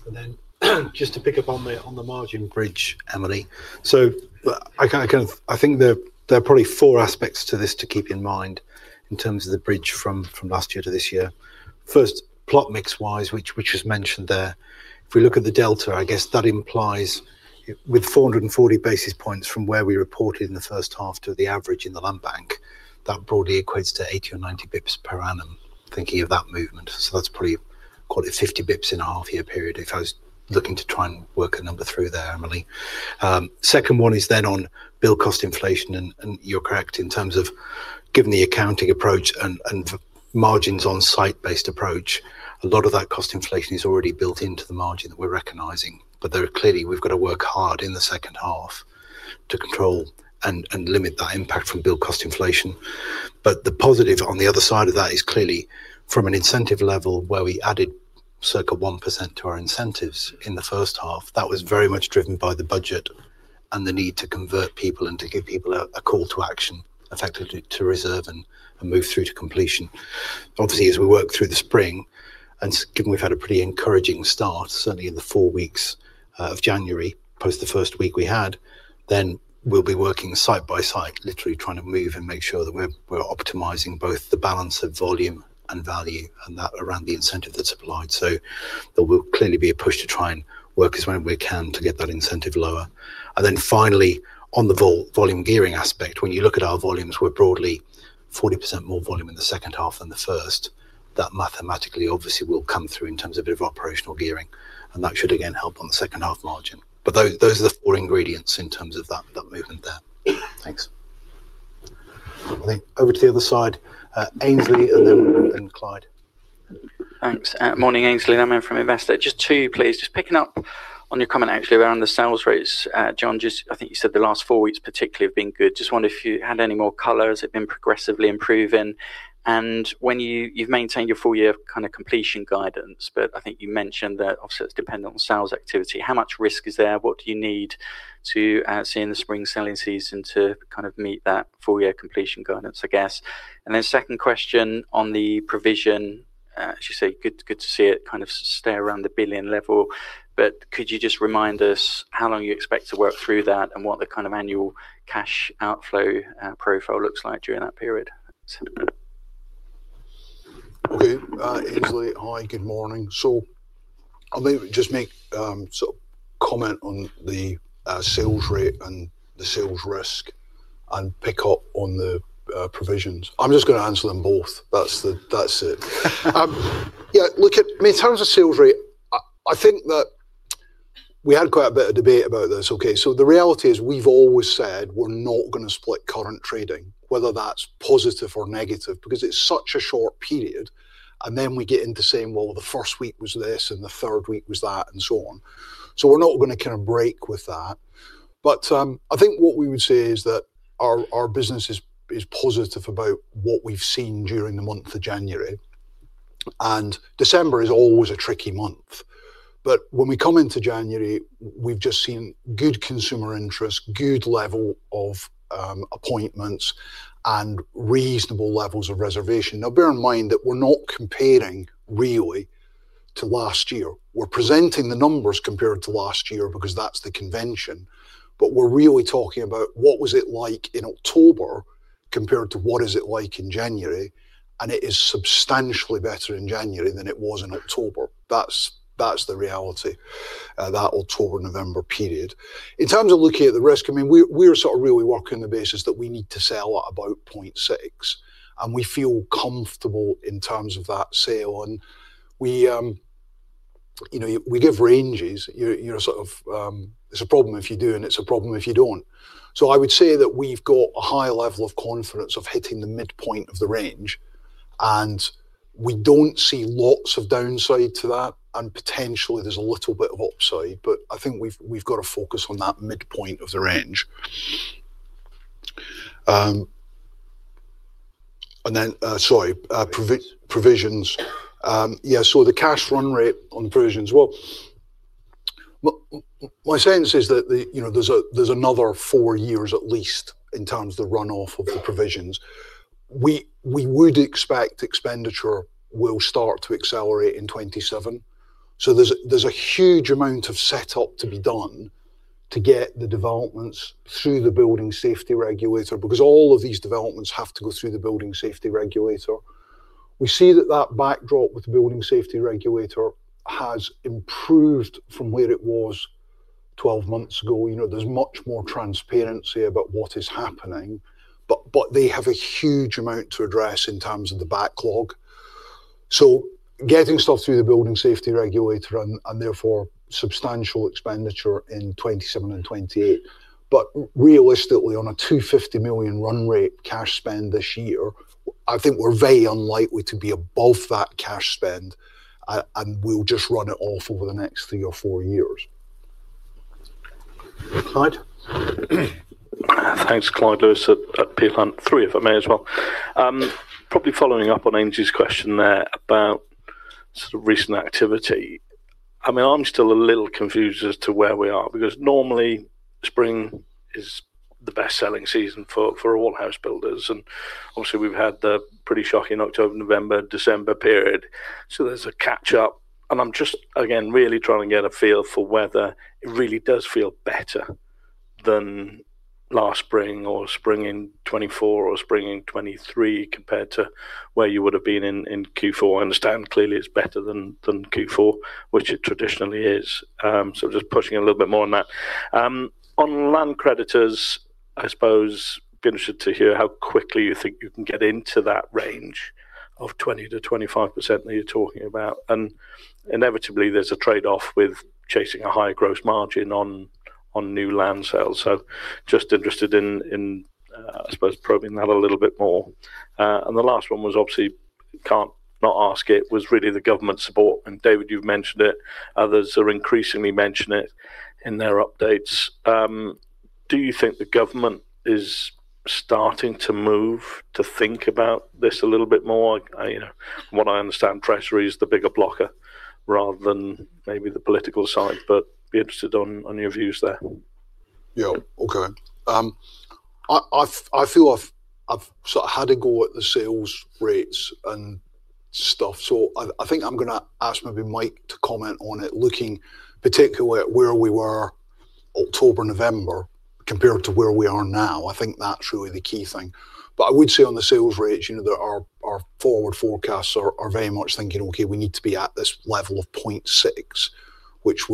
Speaker 3: And then just to pick up on the margin bridge, Emily. So I think there are probably four aspects to this to keep in mind in terms of the bridge from last year to this year. First, plot mix wise, which was mentioned there, if we look at the delta, I guess that implies with 440 basis points from where we reported in the first half to the average in the land bank, that broadly equates to 80 or 90 basis points per annum, thinking of that movement. So that's probably, call it 50 basis points in a half-year period if I was looking to try and work a number through there, Emily. Second one is then on build cost inflation. And you're correct in terms of given the accounting approach and margins on site-based approach, a lot of that cost inflation is already built into the margin that we're recognising. But there are clearly we've got to work hard in the second half to control and limit that impact from build cost inflation. But the positive on the other side of that is clearly from an incentive level where we added circa 1% to our incentives in the first half, that was very much driven by the budget and the need to convert people and to give people a call to action, effectively to reserve and move through to completion. Obviously, as we work through the spring, and given we've had a pretty encouraging start, certainly in the four weeks of January, post the first week we had, then we'll be working site by site, literally trying to move and make sure that we're optimizing both the balance of volume and value, and that around the incentive that's applied. So there will clearly be a push to try and work as well as we can to get that incentive lower. And then finally, on the volume gearing aspect, when you look at our volumes, we're broadly 40% more volume in the second half than the first. That mathematically, obviously, will come through in terms of a bit of operational gearing. And that should, again, help on the second half margin. But those are the four ingredients in terms of that movement there. Thanks. I think over to the other side, Aynsley and then Clyde.
Speaker 8: Thanks. Morning, Aynsley. I'm from Investec. Just two, please. Just picking up on your comment, actually, around the sales rates. John, I think you said the last four weeks particularly have been good. Just wonder if you had any more color. Has it been progressively improving? And you've maintained your full year kind of completion guidance, but I think you mentioned that, obviously, it's dependent on sales activity. How much risk is there? What do you need to see in the spring selling season to kind of meet that full year completion guidance, I guess? And then second question on the provision, as you say, good to see it kind of stay around the 1 billion level. But could you just remind us how long you expect to work through that and what the kind of annual cash outflow profile looks like during that period?
Speaker 2: Okay, Aynsley. Hi. Good morning. I may just make sort of comment on the sales rate and the sales risk and pick up on the provisions. I'm just going to answer them both. That's it. Yeah. Look, I mean, in terms of sales rate, I think that we had quite a bit of debate about this. Okay. The reality is we've always said we're not going to split current trading, whether that's positive or negative, because it's such a short period. And then we get into saying, well, the first week was this and the third week was that and so on. So we're not going to kind of break with that. But I think what we would say is that our business is positive about what we've seen during the month of January. And December is always a tricky month. But when we come into January, we've just seen good consumer interest, good level of appointments, and reasonable levels of reservation. Now, bear in mind that we're not comparing really to last year. We're presenting the numbers compared to last year because that's the convention. But we're really talking about what was it like in October compared to what is it like in January? And it is substantially better in January than it was in October. That's the reality, that October-November period. In terms of looking at the risk, I mean, we are sort of really working on the basis that we need to sell at about 0.6%. And we feel comfortable in terms of that sale. And we give ranges. You're sort of it's a problem if you do and it's a problem if you don't. So I would say that we've got a high level of confidence of hitting the midpoint of the range. And we don't see lots of downside to that. And potentially, there's a little bit of upside. But I think we've got to focus on that midpoint of the range. And then, sorry, provisions. Yeah. So the cash run rate on the provisions, well, my sense is that there's another four years, at least, in terms of the runoff of the provisions. We would expect expenditure will start to accelerate in 2027. So there's a huge amount of setup to be done to get the developments through the Building Safety Regulator because all of these developments have to go through the Building Safety Regulator. We see that that backdrop with the Building Safety Regulator has improved from where it was 12 months ago. There's much more transparency about what is happening. But they have a huge amount to address in terms of the backlog. So getting stuff through the building safety regulator and therefore substantial expenditure in 2027 and 2028. But realistically, on a 250 million run rate cash spend this year, I think we're very unlikely to be above that cash spend. And we'll just run it off over the next three or four years.
Speaker 3: Clyde?
Speaker 9: Thanks, Clyde Lewis at Peel Hunt, if I may, as well. Probably following up on Aynsley's question there about sort of recent activity. I mean, I'm still a little confused as to where we are because normally, spring is the best selling season for all house builders. And obviously, we've had the pretty shocking October, November, December period. So there's a catch-up. And I'm just, again, really trying to get a feel for whether it really does feel better than last spring or spring in 2024 or spring in 2023 compared to where you would have been in Q4. I understand clearly it's better than Q4, which it traditionally is. So just pushing a little bit more on that. On land creditors, I suppose I'd be interested to hear how quickly you think you can get into that range of 20%-25% that you're talking about. And inevitably, there's a trade-off with chasing a higher gross margin on new land sales. So just interested in, I suppose, probing that a little bit more. And the last one was obviously can't not ask it was really the government support. And David, you've mentioned it. Others are increasingly mentioning it in their updates. Do you think the government is starting to move to think about this a little bit more? From what I understand, Treasury is the bigger blocker rather than maybe the political side. But be interested on your views there.
Speaker 2: Yeah. Okay. I feel I've sort of had a go at the sales rates and stuff. So I think I'm going to ask maybe Mike to comment on it, looking particularly at where we were October, November compared to where we are now. I think that's really the key thing. But I would say on the sales rates, our forward forecasts are very much thinking, Okay, we need to be at this level of 0.6%. which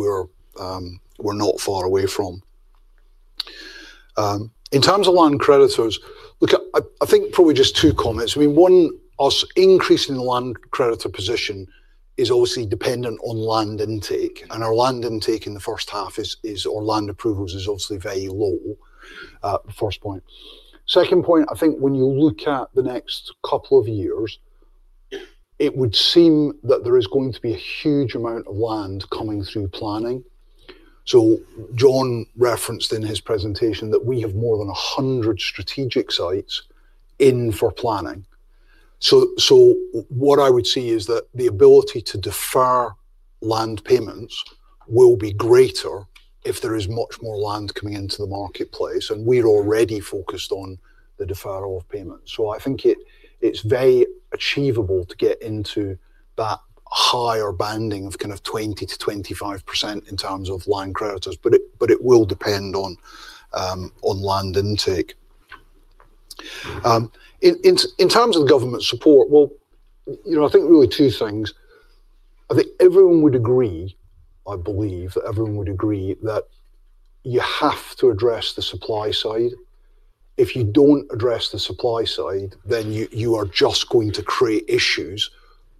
Speaker 2: we're not far away from. In terms of land creditors, look, I think probably just two comments. I mean, one, us increasing the land creditor position is obviously dependent on land intake. And our land intake in the first half is or land approvals is obviously very low. First point. Second point, I think when you look at the next couple of years, it would seem that there is going to be a huge amount of land coming through planning. So John referenced in his presentation that we have more than 100 strategic sites in for planning. So what I would see is that the ability to defer land payments will be greater if there is much more land coming into the marketplace. And we're already focused on the deferral of payments. So I think it's very achievable to get into that higher banding of kind of 20%-25% in terms of land creditors. But it will depend on land intake. In terms of the government support, well, I think really two things. I think everyone would agree, I believe, that everyone would agree that you have to address the supply side. If you don't address the supply side, then you are just going to create issues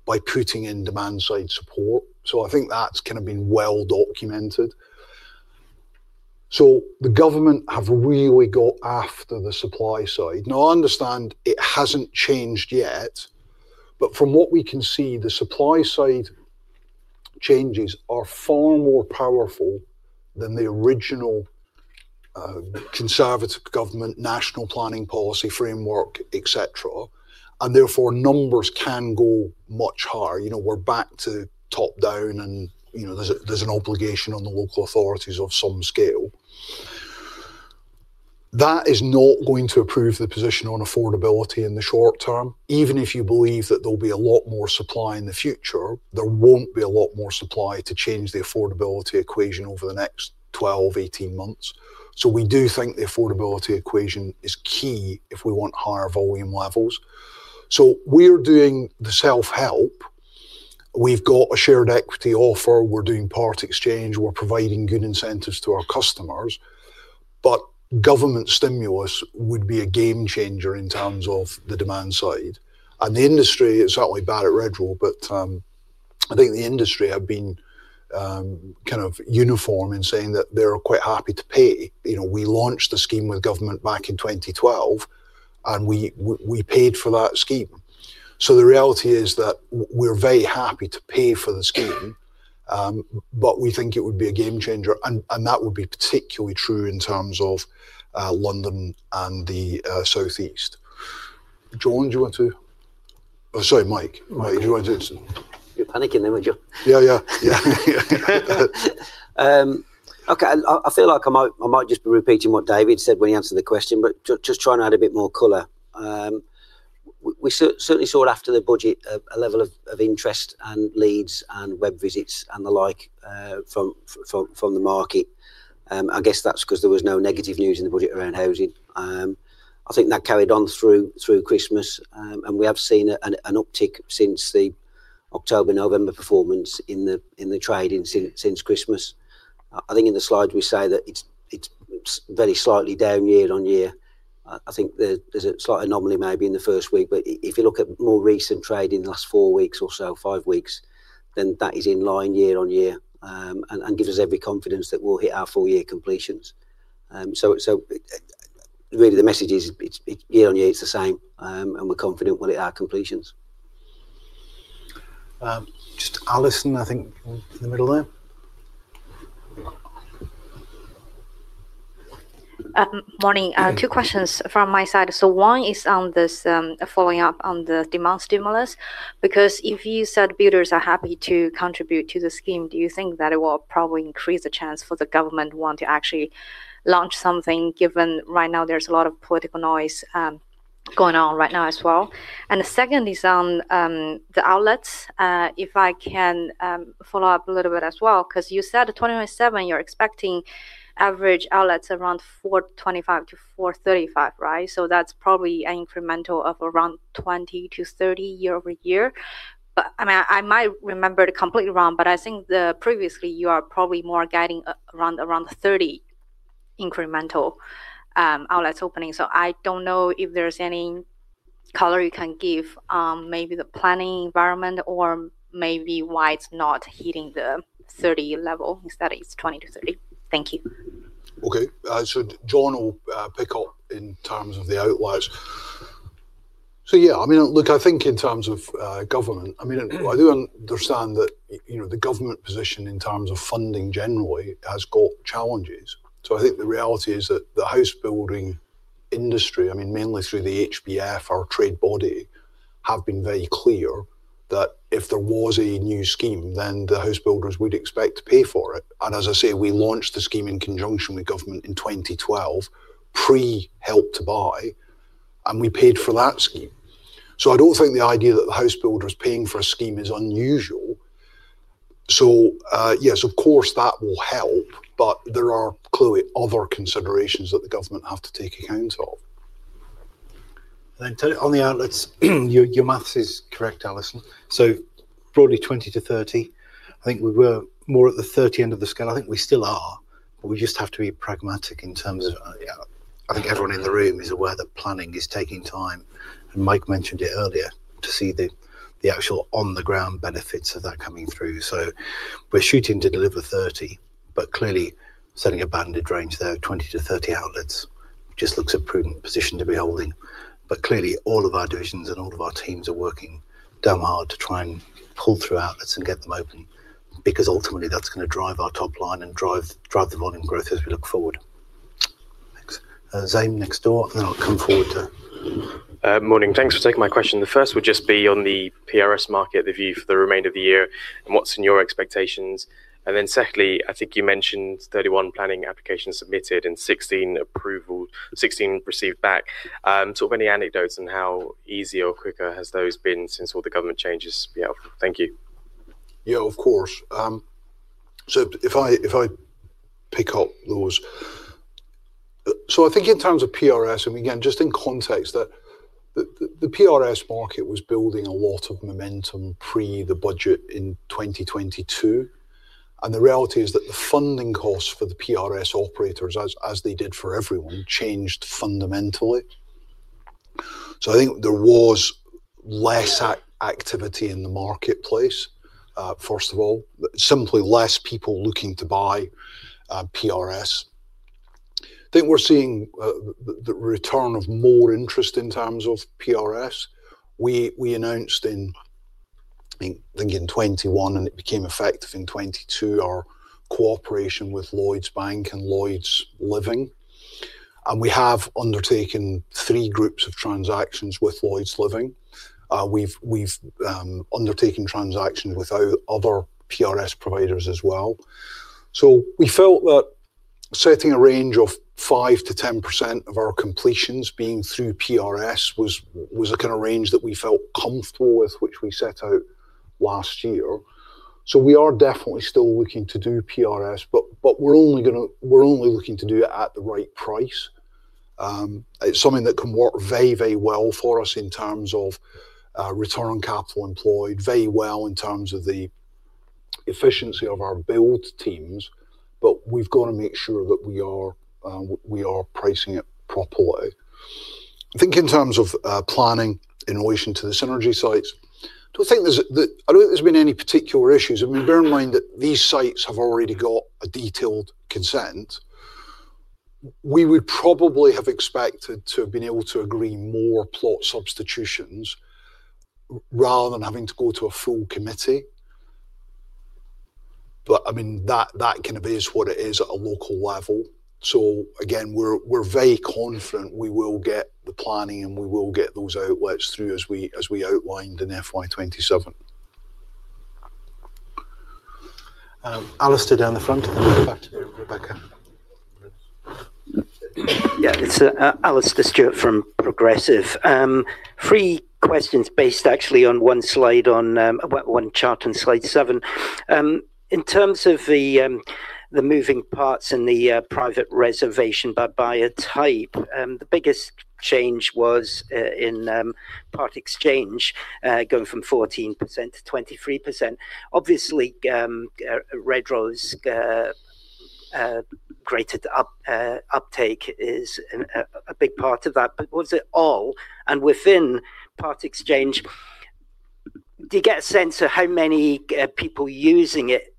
Speaker 2: by putting in demand-side support. I think that's kind of been well documented. The government have really got after the supply side. Now, I understand it hasn't changed yet. But from what we can see, the supply side changes are far more powerful than the original Conservative government National Planning Policy Framework, etc. Therefore, numbers can go much higher. We're back to top-down. There's an obligation on the local authorities of some scale. That is not going to improve the position on affordability in the short term. Even if you believe that there'll be a lot more supply in the future, there won't be a lot more supply to change the affordability equation over the next 12months, 18 months. So we do think the affordability equation is key if we want higher volume levels. So we're doing the self-help. We've got a shared equity offer. We're doing part exchange. We're providing good incentives to our customers. But government stimulus would be a game-changer in terms of the demand side. And the industry, it's certainly Barratt Redrow, but I think the industry have been kind of uniform in saying that they're quite happy to pay. We launched the scheme with government back in 2012. And we paid for that scheme. So the reality is that we're very happy to pay for the scheme. But we think it would be a game-changer. And that would be particularly true in terms of London and the South East. John, do you want to? Oh, sorry, Mike. Mike, do you want to? You're panicking there, aren't you? Yeah, yeah, yeah. Okay. I feel like I might just be repeating what David said when he answered the question, but just trying to add a bit more color. We certainly saw it after the budget, a level of interest and leads and web visits and the like from the market. I guess that's because there was no negative news in the budget around housing. I think that carried on through Christmas. We have seen an uptick since the October, November performance in the trading since Christmas. I think in the slides, we say that it's very slightly down year-on-year. I think there's a slight anomaly maybe in the first week. But if you look at more recent trade in the last four weeks or so, five weeks, then that is in line year-on-year and gives us every confidence that we'll hit our full year completions. So really, the message is year-on-year, it's the same. And we're confident we'll hit our completions. Just Alison, I think, in the middle there.
Speaker 10: Morning. two questions from my side. So 1 is following up on the demand stimulus. Because if you said builders are happy to contribute to the scheme, do you think that it will probably increase the chance for the government want to actually launch something given right now there's a lot of political noise going on right now as well? And the second is on the outlets. If I can follow up a little bit as well because you said 2027, you're expecting average outlets around 4.25%-4.35%, right? So that's probably an incremental of around 20%-30% year-over-year. But I mean, I might remember it completely wrong. But I think previously, you are probably more guiding around 30% incremental outlets opening. I don't know if there's any color you can give on maybe the planning environment or maybe why it's not hitting the 30% level instead of it's 20%-30%? Thank you.
Speaker 2: Okay. So John will pick up in terms of the outliers. So yeah, I mean, look, I think in terms of government, I mean, I do understand that the government position in terms of funding generally has got challenges. So I think the reality is that the house building industry, I mean, mainly through the HBF, our trade body, have been very clear that if there was a new scheme, then the house builders would expect to pay for it. And as I say, we launched the scheme in conjunction with government in 2012, pre-Help to Buy. And we paid for that scheme. So I don't think the idea that the house builders paying for a scheme is unusual. So yeah, so of course, that will help. But there are clearly other considerations that the government have to take account of.
Speaker 3: Then on the outlets, your math is correct, Aynsley. So broadly, 20%-30%. I think we were more at the 30% end of the scale. I think we still are. But we just have to be pragmatic in terms of I think everyone in the room is aware that planning is taking time. And Mike mentioned it earlier to see the actual on-the-ground benefits of that coming through. So we're shooting to deliver 30%. But clearly, setting a banded range there, 20%-30% outlets just looks a prudent position to be holding. But clearly, all of our divisions and all of our teams are working damn hard to try and pull through outlets and get them open because ultimately, that's going to drive our top line and drive the volume growth as we look forward. Thanks. Zane next door. And then I'll come forward to.
Speaker 11: Morning. Thanks for taking my question. The first would just be on the PRS market, the view for the remainder of the year, and what's in your expectations. And then secondly, I think you mentioned 31 planning applications submitted and 16 received back. Sort of any anecdotes on how easy or quicker has those been since all the government changes? Yeah. Thank you.
Speaker 2: Yeah, of course. So if I pick up those. So I think in terms of PRS, and again, just in context that the PRS market was building a lot of momentum pre the budget in 2022. And the reality is that the funding costs for the PRS operators, as they did for everyone, changed fundamentally. So I think there was less activity in the marketplace, first of all, simply less people looking to buy PRS. I think we're seeing the return of more interest in terms of PRS. We announced in, I think, in 2021, and it became effective in 2022, our cooperation with Lloyds Bank and Lloyds Living. And we have undertaken three groups of transactions with Lloyds Living. We've undertaken transactions with other PRS providers as well. So we felt that setting a range of 5%-10% of our completions being through PRS was a kind of range that we felt comfortable with, which we set out last year. So we are definitely still looking to do PRS. But we're only looking to do it at the right price. It's something that can work very, very well for us in terms of return on capital employed, very well in terms of the efficiency of our build teams. But we've got to make sure that we are pricing it properly. I think in terms of planning in relation to the synergy sites, I don't think there's been any particular issues. I mean, bear in mind that these sites have already got a detailed consent. We would probably have expected to have been able to agree more plot substitutions rather than having to go to a full committee. But I mean, that kind of is what it is at a local level. So again, we're very confident we will get the planning and we will get those outlets through as we outlined in FY27.
Speaker 3: Alastair down the front. And then we'll go back to you, Rebecca.
Speaker 12: Yeah. It's Alastair Stewart from Progressive. Three questions based actually on one slide on one chart on slide seven. In terms of the moving parts in the private reservation by type, the biggest change was in part exchange going from 14%-23%. Obviously, Redrow's greater uptake is a big part of that. But was it all and within part exchange, do you get a sense of how many people using it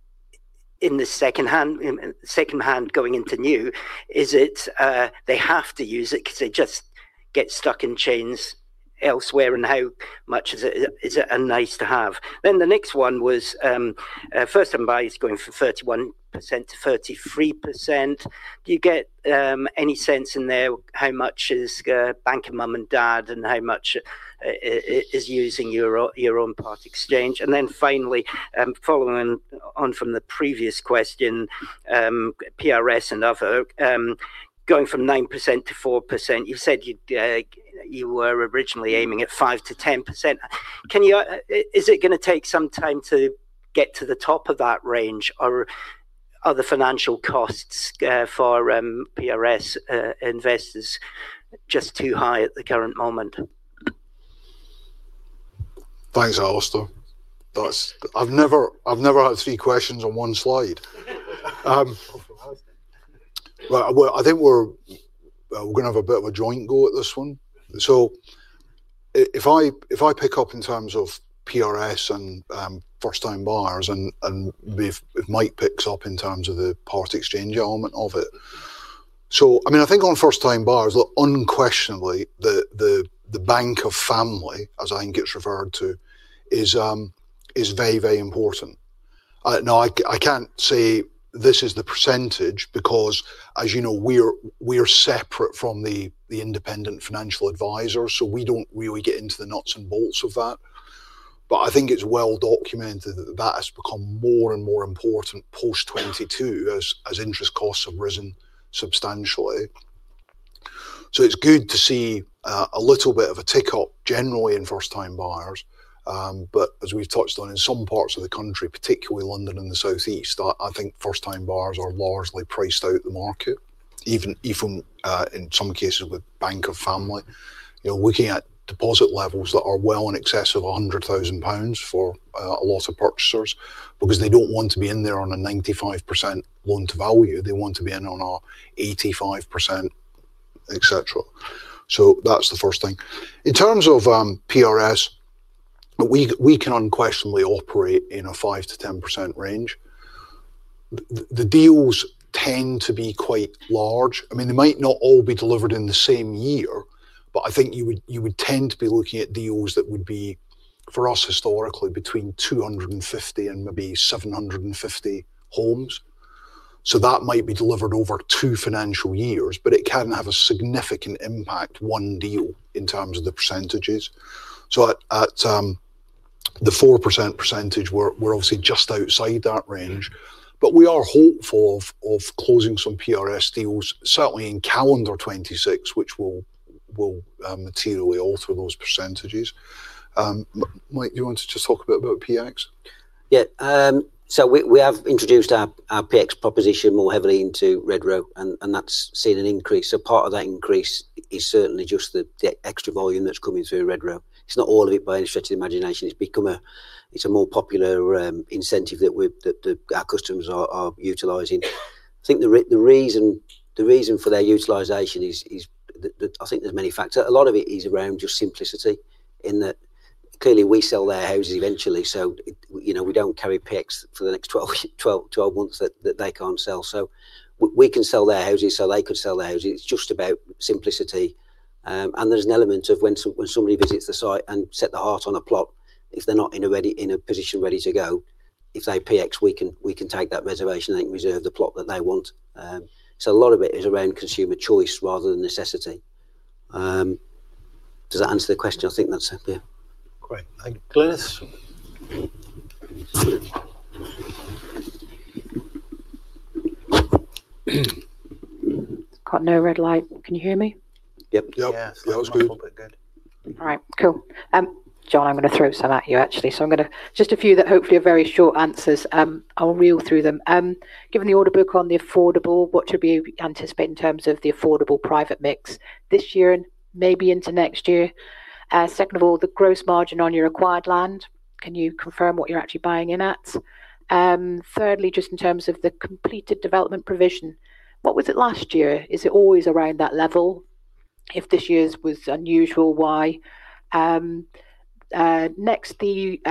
Speaker 12: in the secondhand going into new? Is it they have to use it because they just get stuck in chains elsewhere? And how much is it a nice-to-have? Then the next one was first-time buyers going from 31%-33%. Do you get any sense in there how much is banking mum and dad and how much is using your own part exchange? And then finally, following on from the previous question, PRS and other, going from 9%-4%, you said you were originally aiming at 5%-10%. Is it going to take some time to get to the top of that range? Are other financial costs for PRS investors just too high at the current moment?
Speaker 1: Thanks, Alastair. I've never had three questions on one slide. But I think we're going to have a bit of a joint go at this one. So if I pick up in terms of PRS and first-time buyers and if Mike picks up in terms of the part exchange element of it. So I mean, I think on first-time buyers, unquestionably, the bank of family, as I think it's referred to, is very, very important. Now, I can't say this is the percentage because, as you know, we're separate from the independent financial advisor. So we don't really get into the nuts and bolts of that. But I think it's well documented that that has become more and more important post-2022 as interest costs have risen substantially. So it's good to see a little bit of a tick-up generally in first-time buyers. But as we've touched on in some parts of the country, particularly London and the Southeast, I think first-time buyers are largely priced out the market, even in some cases with bank of family. Looking at deposit levels that are well in excess of 100,000 pounds for a lot of purchasers because they don't want to be in there on a 95% loan to value. They want to be in on a 85%, etc. So that's the first thing. In terms of PRS, we can unquestionably operate in a 5%-10% range. The deals tend to be quite large. I mean, they might not all be delivered in the same year. But I think you would tend to be looking at deals that would be, for us historically, between 250 and maybe 750 homes. So that might be delivered over two financial years. But it can have a significant impact, one deal, in terms of the percentages. So at the 4% percentage, we're obviously just outside that range. But we are hopeful of closing some PRS deals, certainly in calendar 2026, which will materially alter those percentages. Mike, do you want to just talk a bit about PX?
Speaker 2: Yeah. So we have introduced our PX proposition more heavily into Redrow. And that's seen an increase. So part of that increase is certainly just the extra volume that's coming through Redrow. It's not all of it by any stretch of the imagination. It's a more popular incentive that our customers are utilizing. I think the reason for their utilization is that I think there's many factors. A lot of it is around just simplicity in that clearly, we sell their houses eventually. So we don't carry PX for the next 12 months that they can't sell. So we can sell their houses. So they could sell their houses. It's just about simplicity. And there's an element of when somebody visits the site and sets their heart on a plot, if they're not in a position ready to go, if they PX, we can take that reservation and reserve the plot that they want. So a lot of it is around consumer choice rather than necessity. Does that answer the question? I think that's it. Yeah.
Speaker 3: Great. Thank you. Glynis?
Speaker 13: Got no red light. Can you hear me?
Speaker 3: Yep.
Speaker 2: Yep. Yeah, it was good.
Speaker 13: All right. Cool. John, I'm going to throw some at you, actually. So I'm going to just a few that hopefully are very short answers. I'll reel through them. Given the order book on the affordable, what should we anticipate in terms of the affordable private mix this year and maybe into next year? Second of all, the gross margin on your acquired land. Can you confirm what you're actually buying in at? Thirdly, just in terms of the completed development provision, what was it last year? Is it always around that level? If this year's was unusual, why? Next, the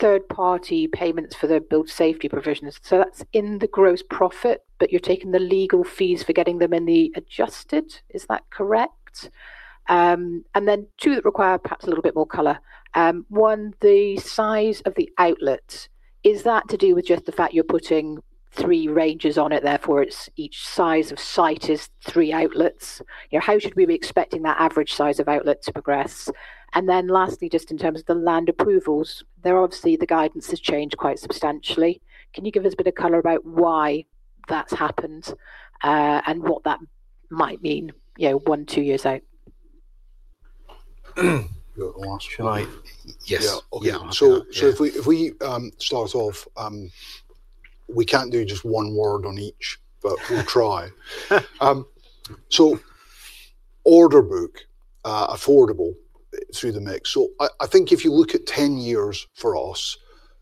Speaker 13: third-party payments for the building safety provisions. So that's in the gross profit. But you're taking the legal fees for getting them in the adjusted. Is that correct? And then two that require perhaps a little bit more color. One, the size of the outlets. Is that to do with just the fact you're putting three ranges on it? Therefore, each size of site is three outlets? How should we be expecting that average size of outlet to progress? And then lastly, just in terms of the land approvals, there obviously the guidance has changed quite substantially. Can you give us a bit of color about why that's happened and what that might mean one, two years out?
Speaker 1: Can I? Yes. Yeah. So if we start off, we can't do just one word on each. But we'll try. So order book, affordable through the mix. So I think if you look at 10 years for us,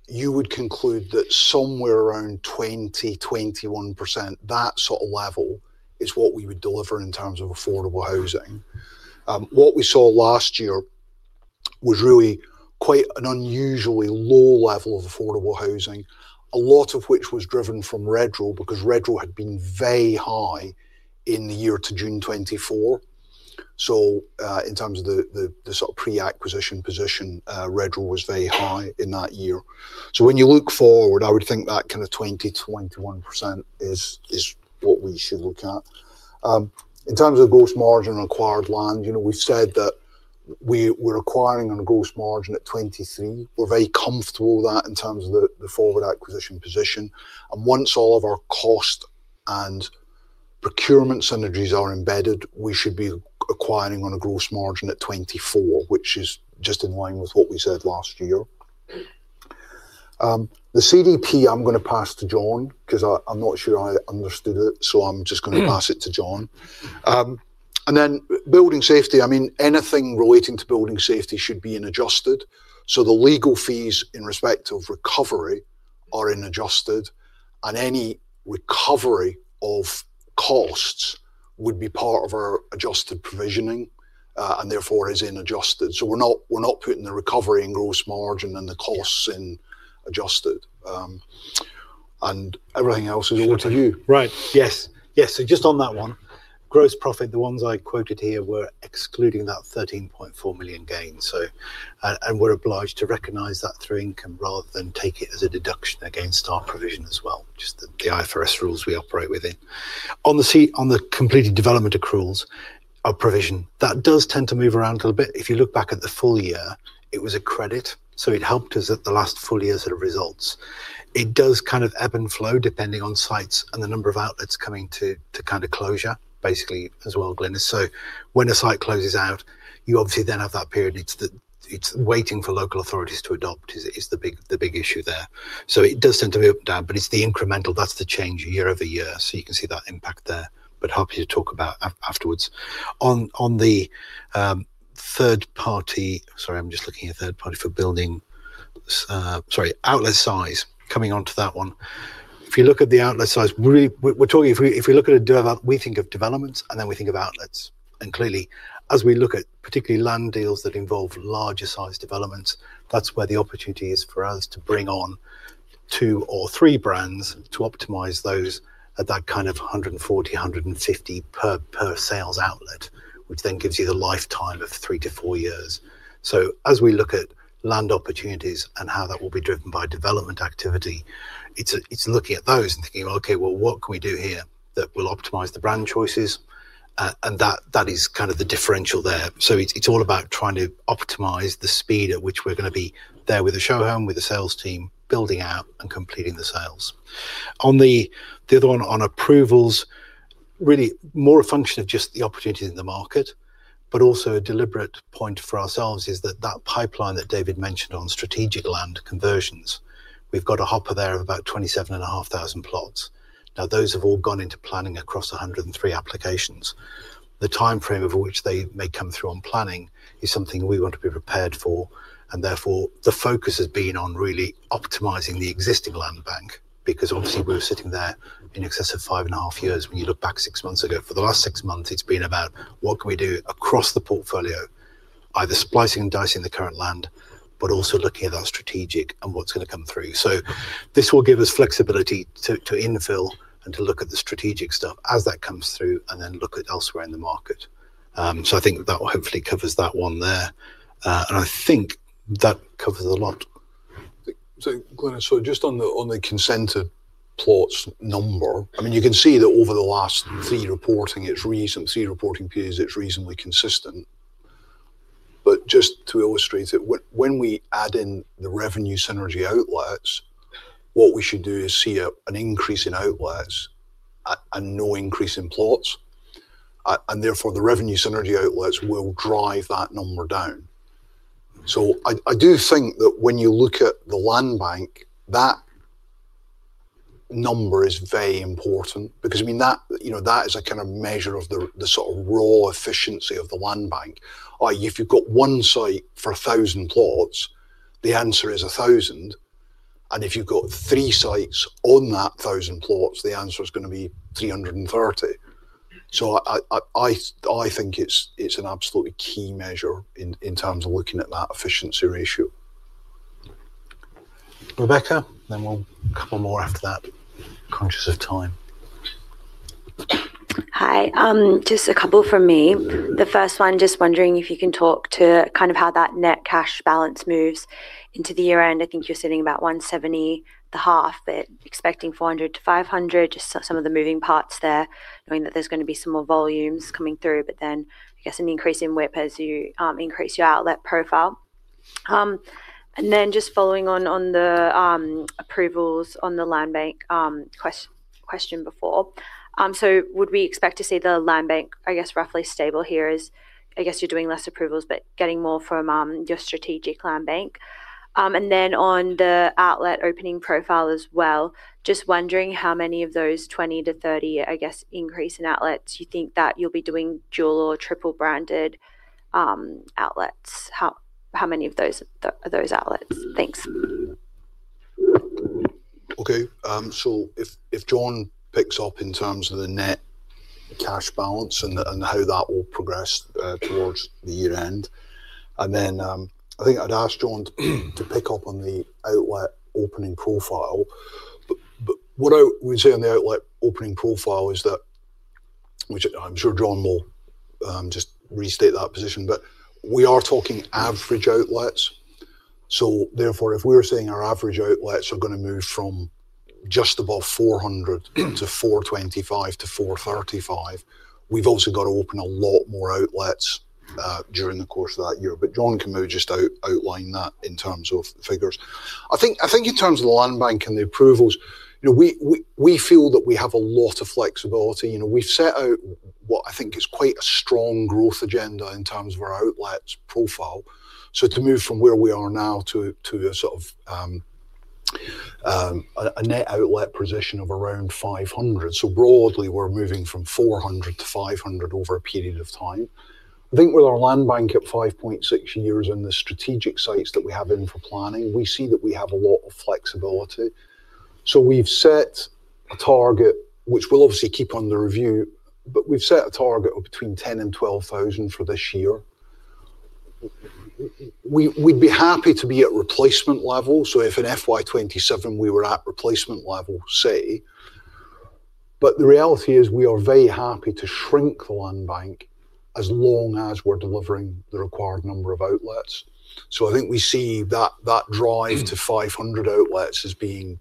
Speaker 1: you would conclude that somewhere around 20%, 21%, that sort of level is what we would deliver in terms of affordable housing. What we saw last year was really quite an unusually low level of affordable housing, a lot of which was driven from Redrow because Redrow had been very high in the year to June 2024. So in terms of the sort of pre-acquisition position, Redrow was very high in that year. So when you look forward, I would think that kind of 20%, 21% is what we should look at. In terms of gross margin on acquired land, we've said that we're acquiring on a gross margin at 23%. We're very comfortable with that in terms of the forward acquisition position. And once all of our cost and procurement synergies are embedded, we should be acquiring on a gross margin at 24%, which is just in line with what we said last year. The CDP, I'm going to pass to John because I'm not sure I understood it. So I'm just going to pass it to John. And then building safety, I mean, anything relating to building safety should be in adjusted. So the legal fees in respect of recovery are in adjusted. And any recovery of costs would be part of our adjusted provisioning and therefore is in adjusted. So we're not putting the recovery in gross margin and the costs in adjusted. And everything else is over to you.
Speaker 3: Right. Yes. Yes. So just on that one, gross profit, the ones I quoted here were excluding that 13.4 million gain. And we're obliged to recognize that through income rather than take it as a deduction against our provision as well, just the IFRS rules we operate within. On the completed development accruals provision, that does tend to move around a little bit. If you look back at the full year, it was a credit. So it helped us at the last full year sort of results. It does kind of ebb and flow depending on sites and the number of outlets coming to kind of closure, basically, as well, Glynis. So when a site closes out, you obviously then have that period. It's waiting for local authorities to adopt is the big issue there. So it does tend to be up and down. But it's the incremental. That's the change year-over-year. So you can see that impact there. But happy to talk about afterwards. On the third-party sorry, I'm just looking at third-party for building sorry, outlet size, coming onto that one. If you look at the outlet size we're talking if we look at a development, we think of developments. And then we think of outlets. And clearly, as we look at particularly land deals that involve larger-sized developments, that's where the opportunity is for us to bring on two or three brands to optimize those at that kind of 140, 150 per sales outlet, which then gives you the lifetime of three to four years. So as we look at land opportunities and how that will be driven by development activity, it's looking at those and thinking, "Okay. Well, what can we do here that will optimize the brand choices?" And that is kind of the differential there. So it's all about trying to optimize the speed at which we're going to be there with a show home, with a sales team, building out and completing the sales. On the other one, on approvals, really more a function of just the opportunities in the market. But also a deliberate point for ourselves is that that pipeline that David mentioned on Strategic Land conversions, we've got a hopper there of about 27,500 plots. Now, those have all gone into planning across 103 applications. The timeframe of which they may come through on planning is something we want to be prepared for. And therefore, the focus has been on really optimizing the existing land bank because obviously, we were sitting there in excess of five and a half years. When you look back six months ago, for the last six months, it's been about, "What can we do across the portfolio, either splicing and dicing the current land, but also looking at that strategic and what's going to come through?" So this will give us flexibility to infill and to look at the strategic stuff as that comes through and then look at elsewhere in the market. So I think that hopefully covers that one there. And I think that covers a lot.
Speaker 2: So Glynis, so just on the consented plots number, I mean, you can see that over the last 3 reporting periods, it's reasonably consistent. But just to illustrate it, when we add in the revenue synergy outlets, what we should do is see an increase in outlets and no increase in plots. And therefore, the revenue synergy outlets will drive that number down. So I do think that when you look at the land bank, that number is very important because, I mean, that is a kind of measure of the sort of raw efficiency of the land bank. If you've got one site for 1,000 plots, the answer is 1,000. And if you've got three sites on that 1,000 plots, the answer is going to be 330. So I think it's an absolutely key measure in terms of looking at that efficiency ratio.
Speaker 3: Rebecca, then we'll have a couple more after that, conscious of time.
Speaker 14: Hi. Just a couple from me. The first one, just wondering if you can talk to kind of how that net cash balance moves into the year-end. I think you're sitting about 170.5 million, but expecting 400-500 million, just some of the moving parts there, knowing that there's going to be some more volumes coming through. But then, I guess, an increase in WIP as you increase your outlet profile. And then just following on the approvals on the land bank question before, so would we expect to see the land bank, I guess, roughly stable here as, I guess, you're doing less approvals but getting more from your strategic land bank? And then on the outlet opening profile as well, just wondering how many of those 20-30, I guess, increase in outlets you think that you'll be doing dual or triple-branded outlets? How many of those are those outlets? Thanks.
Speaker 2: Okay. So if John picks up in terms of the net cash balance and how that will progress towards the year-end. And then I think I'd ask John to pick up on the outlet opening profile. But what we're seeing on the outlet opening profile is that which I'm sure John will just restate that position. But we are talking average outlets. So therefore, if we were saying our average outlets are going to move from just above 400 to 425 to 435, we've also got to open a lot more outlets during the course of that year. But John can maybe just outline that in terms of figures. I think in terms of the land bank and the approvals, we feel that we have a lot of flexibility. We've set out what I think is quite a strong growth agenda in terms of our outlets profile. So to move from where we are now to a sort of a net outlet position of around 500. So broadly, we're moving from 400-500 over a period of time. I think with our land bank at 5.6 years and the strategic sites that we have in for planning, we see that we have a lot of flexibility. So we've set a target, which we'll obviously keep on the review. But we've set a target of between 10,000 and 12,000 for this year. We'd be happy to be at replacement level. So if in FY27, we were at replacement level, say. But the reality is we are very happy to shrink the land bank as long as we're delivering the required number of outlets. So I think we see that drive to 500 outlets as being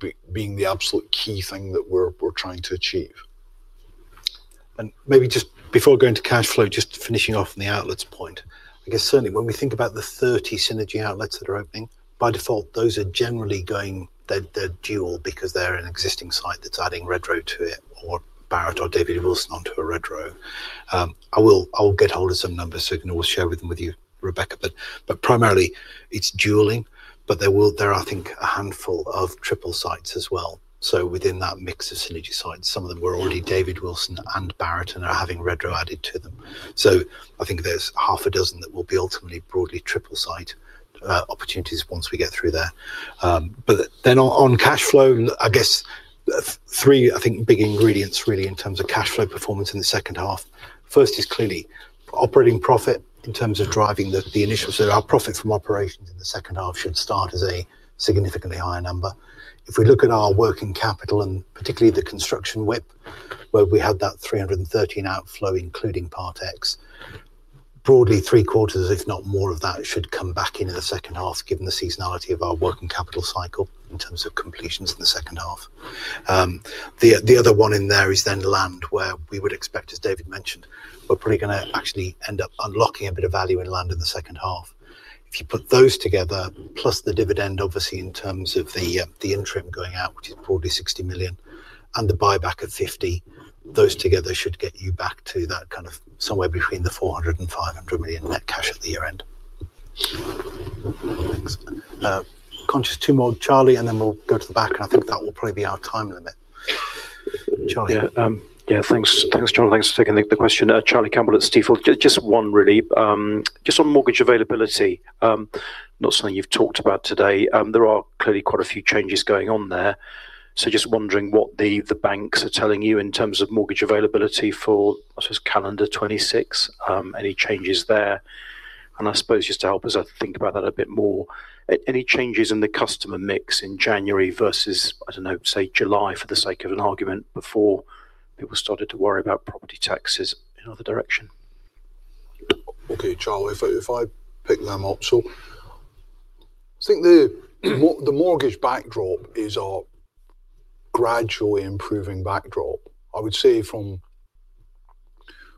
Speaker 2: the absolute key thing that we're trying to achieve.
Speaker 3: Maybe just before going to cash flow, just finishing off on the outlets point, I guess certainly when we think about the 30 synergy outlets that are opening, by default, those are generally going, they're dual because they're an existing site that's adding Redrow to it or Barratt or David Wilson onto a Redrow. I will get hold of some numbers so I can always share them with you, Rebecca. But primarily, it's dual. But there are, I think, a handful of triple sites as well. So within that mix of synergy sites, some of them were already David Wilson and Barratt and are having Redrow added to them. So I think there's six that will be ultimately broadly triple site opportunities once we get through there. But then on cash flow, I guess three, I think, big ingredients really in terms of cash flow performance in the second half. First is clearly operating profit in terms of driving the initial so our profit from operations in the second half should start as a significantly higher number. If we look at our working capital and particularly the construction WIP, where we had that 313 outflow including PX, broadly, three-quarters, if not more, of that should come back into the second half given the seasonality of our working capital cycle in terms of completions in the second half. The other one in there is then land where we would expect, as David mentioned, we're probably going to actually end up unlocking a bit of value in land in the second half. If you put those together plus the dividend, obviously, in terms of the interim going out, which is probably 60 million and the buyback of 50 million, those together should get you back to that kind of somewhere between 400 million and 500 million net cash at the year-end. Thanks. Questions, two more, Charlie. And then we'll go to the back. And I think that will probably be our time limit. Charlie.
Speaker 15: Yeah. Yeah. Thanks, John. Thanks for taking the question. Charlie Campbell at Stifel. Just one, really. Just on mortgage availability, not something you've talked about today. There are clearly quite a few changes going on there. So just wondering what the banks are telling you in terms of mortgage availability for, I suppose, calendar 2026, any changes there? And I suppose just to help us think about that a bit more, any changes in the customer mix in January versus, I don't know, say, July for the sake of an argument before people started to worry about property taxes in other direction?
Speaker 2: Okay. Charlie, if I pick them up. So I think the mortgage backdrop is a gradually improving backdrop, I would say, from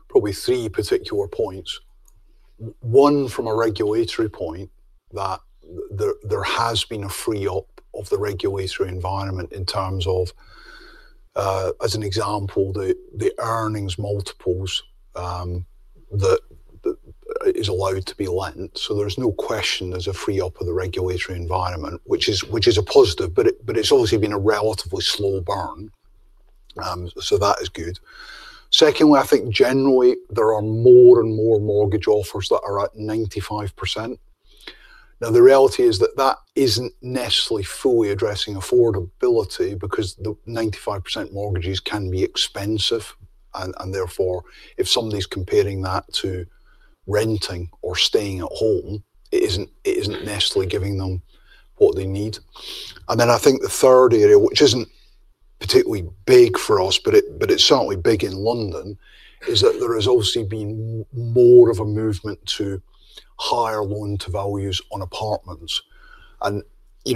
Speaker 2: probably three particular points. One, from a regulatory point, that there has been a free-up of the regulatory environment in terms of, as an example, the earnings multiples that is allowed to be lent. So there's no question there's a free-up of the regulatory environment, which is a positive. But it's obviously been a relatively slow burn. So that is good. Secondly, I think generally, there are more and more mortgage offers that are at 95%. Now, the reality is that that isn't necessarily fully addressing affordability because the 95% mortgages can be expensive. And therefore, if somebody's comparing that to renting or staying at home, it isn't necessarily giving them what they need. And then I think the third area, which isn't particularly big for us, but it's certainly big in London, is that there has obviously been more of a movement to higher loan-to-values on apartments. And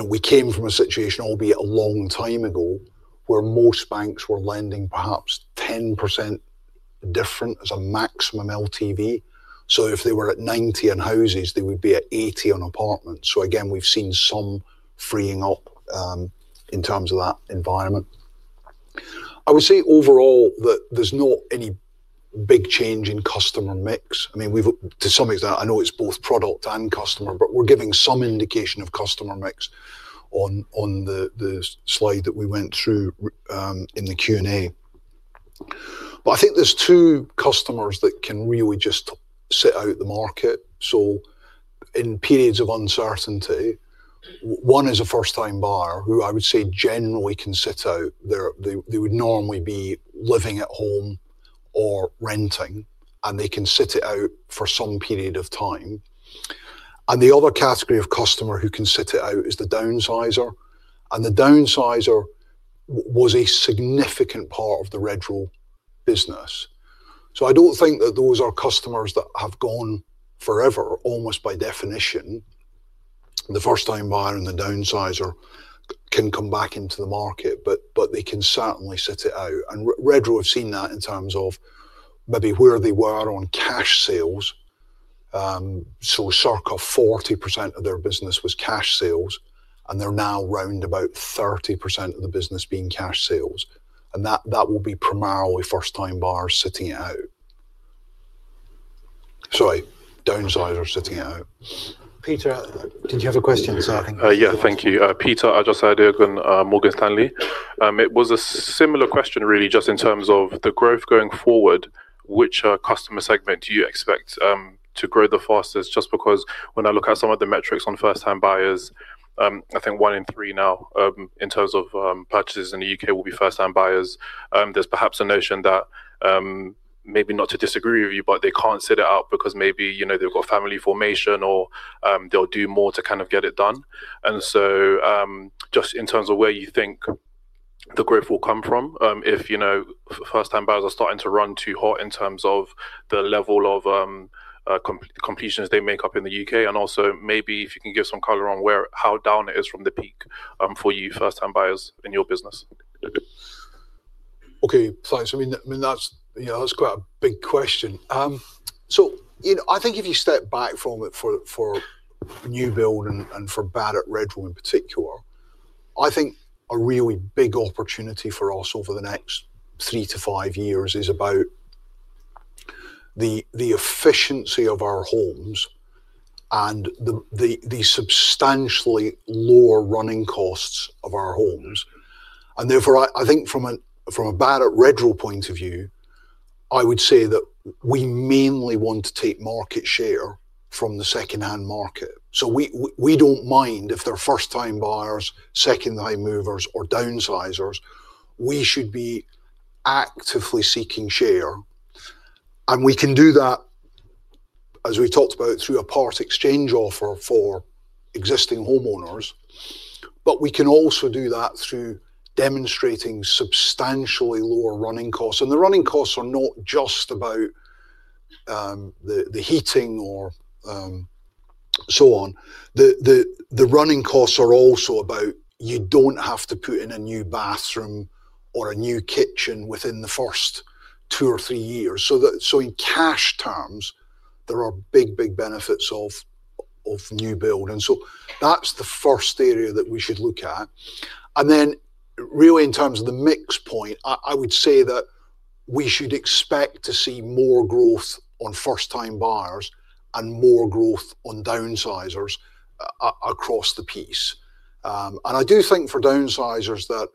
Speaker 2: we came from a situation, albeit a long time ago, where most banks were lending perhaps 10% different as a maximum LTV. So if they were at 90% in houses, they would be at 80% on apartments. So again, we've seen some freeing up in terms of that environment. I would say overall that there's not any big change in customer mix. I mean, to some extent, I know it's both product and customer. But we're giving some indication of customer mix on the slide that we went through in the Q&A. But I think there's two customers that can really just sit out the market. So in periods of uncertainty, one is a first-time buyer who I would say generally can sit out. They would normally be living at home or renting. And they can sit it out for some period of time. And the other category of customer who can sit it out is the downsizer. And the downsizer was a significant part of the Redrow business. So I don't think that those are customers that have gone forever, almost by definition. The first-time buyer and the downsizer can come back into the market. But they can certainly sit it out. And Redrow have seen that in terms of maybe where they were on cash sales. So circa 40% of their business was cash sales. And they're now round about 30% of the business being cash sales. And that will be primarily first-time buyers sitting it out. Sorry. Downsizer sitting it out.
Speaker 3: Peter, did you have a question? So I think.
Speaker 16: Yeah. Thank you. Peter from Morgan Stanley. It was a similar question, really, just in terms of the growth going forward, which customer segment do you expect to grow the fastest? Just because when I look at some of the metrics on first-time buyers, I think one in three now in terms of purchases in the UK will be first-time buyers. There's perhaps a notion that maybe not to disagree with you, but they can't sit it out because maybe they've got family formation or they'll do more to kind of get it done. And so just in terms of where you think the growth will come from, if first-time buyers are starting to run too hot in terms of the level of completions they make up in the UK and also maybe if you can give some color on how down it is from the peak for you first-time buyers in your business?
Speaker 2: Okay. Thanks. I mean, that's quite a big question. So I think if you step back from it for new build and for Barratt Redrow in particular, I think a really big opportunity for us over the next three to five years is about the efficiency of our homes and the substantially lower running costs of our homes. And therefore, I think from a Barratt Redrow point of view, I would say that we mainly want to take market share from the second-hand market. So we don't mind if they're first-time buyers, second-hand movers, or downsizers. We should be actively seeking share. And we can do that, as we talked about, through a Part Exchange offer for existing homeowners. But we can also do that through demonstrating substantially lower running costs. And the running costs are not just about the heating or so on. The running costs are also about you don't have to put in a new bathroom or a new kitchen within the first two or three years. So in cash terms, there are big, big benefits of new build. And so that's the first area that we should look at. And then really in terms of the mix point, I would say that we should expect to see more growth on first-time buyers and more growth on downsizers across the piece. And I do think for downsizers that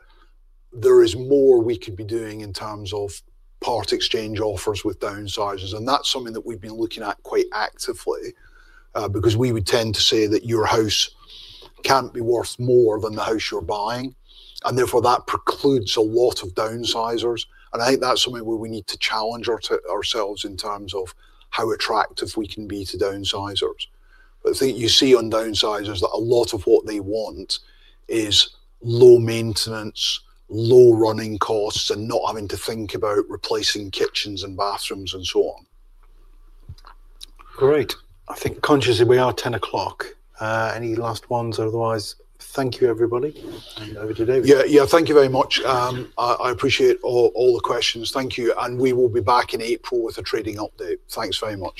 Speaker 2: there is more we could be doing in terms of Part Exchange offers with downsizers. And that's something that we've been looking at quite actively because we would tend to say that your house can't be worth more than the house you're buying. And therefore, that precludes a lot of downsizers. I think that's something where we need to challenge ourselves in terms of how attractive we can be to downsizers. But I think you see on downsizers that a lot of what they want is low maintenance, low running costs, and not having to think about replacing kitchens and bathrooms and so on.
Speaker 3: Great. I think consciously, we are 10:00 A.M. Any last ones? Otherwise, thank you, everybody, over to David.
Speaker 1: Yeah. Yeah. Thank you very much. I appreciate all the questions. Thank you. We will be back in April with a trading update. Thanks very much.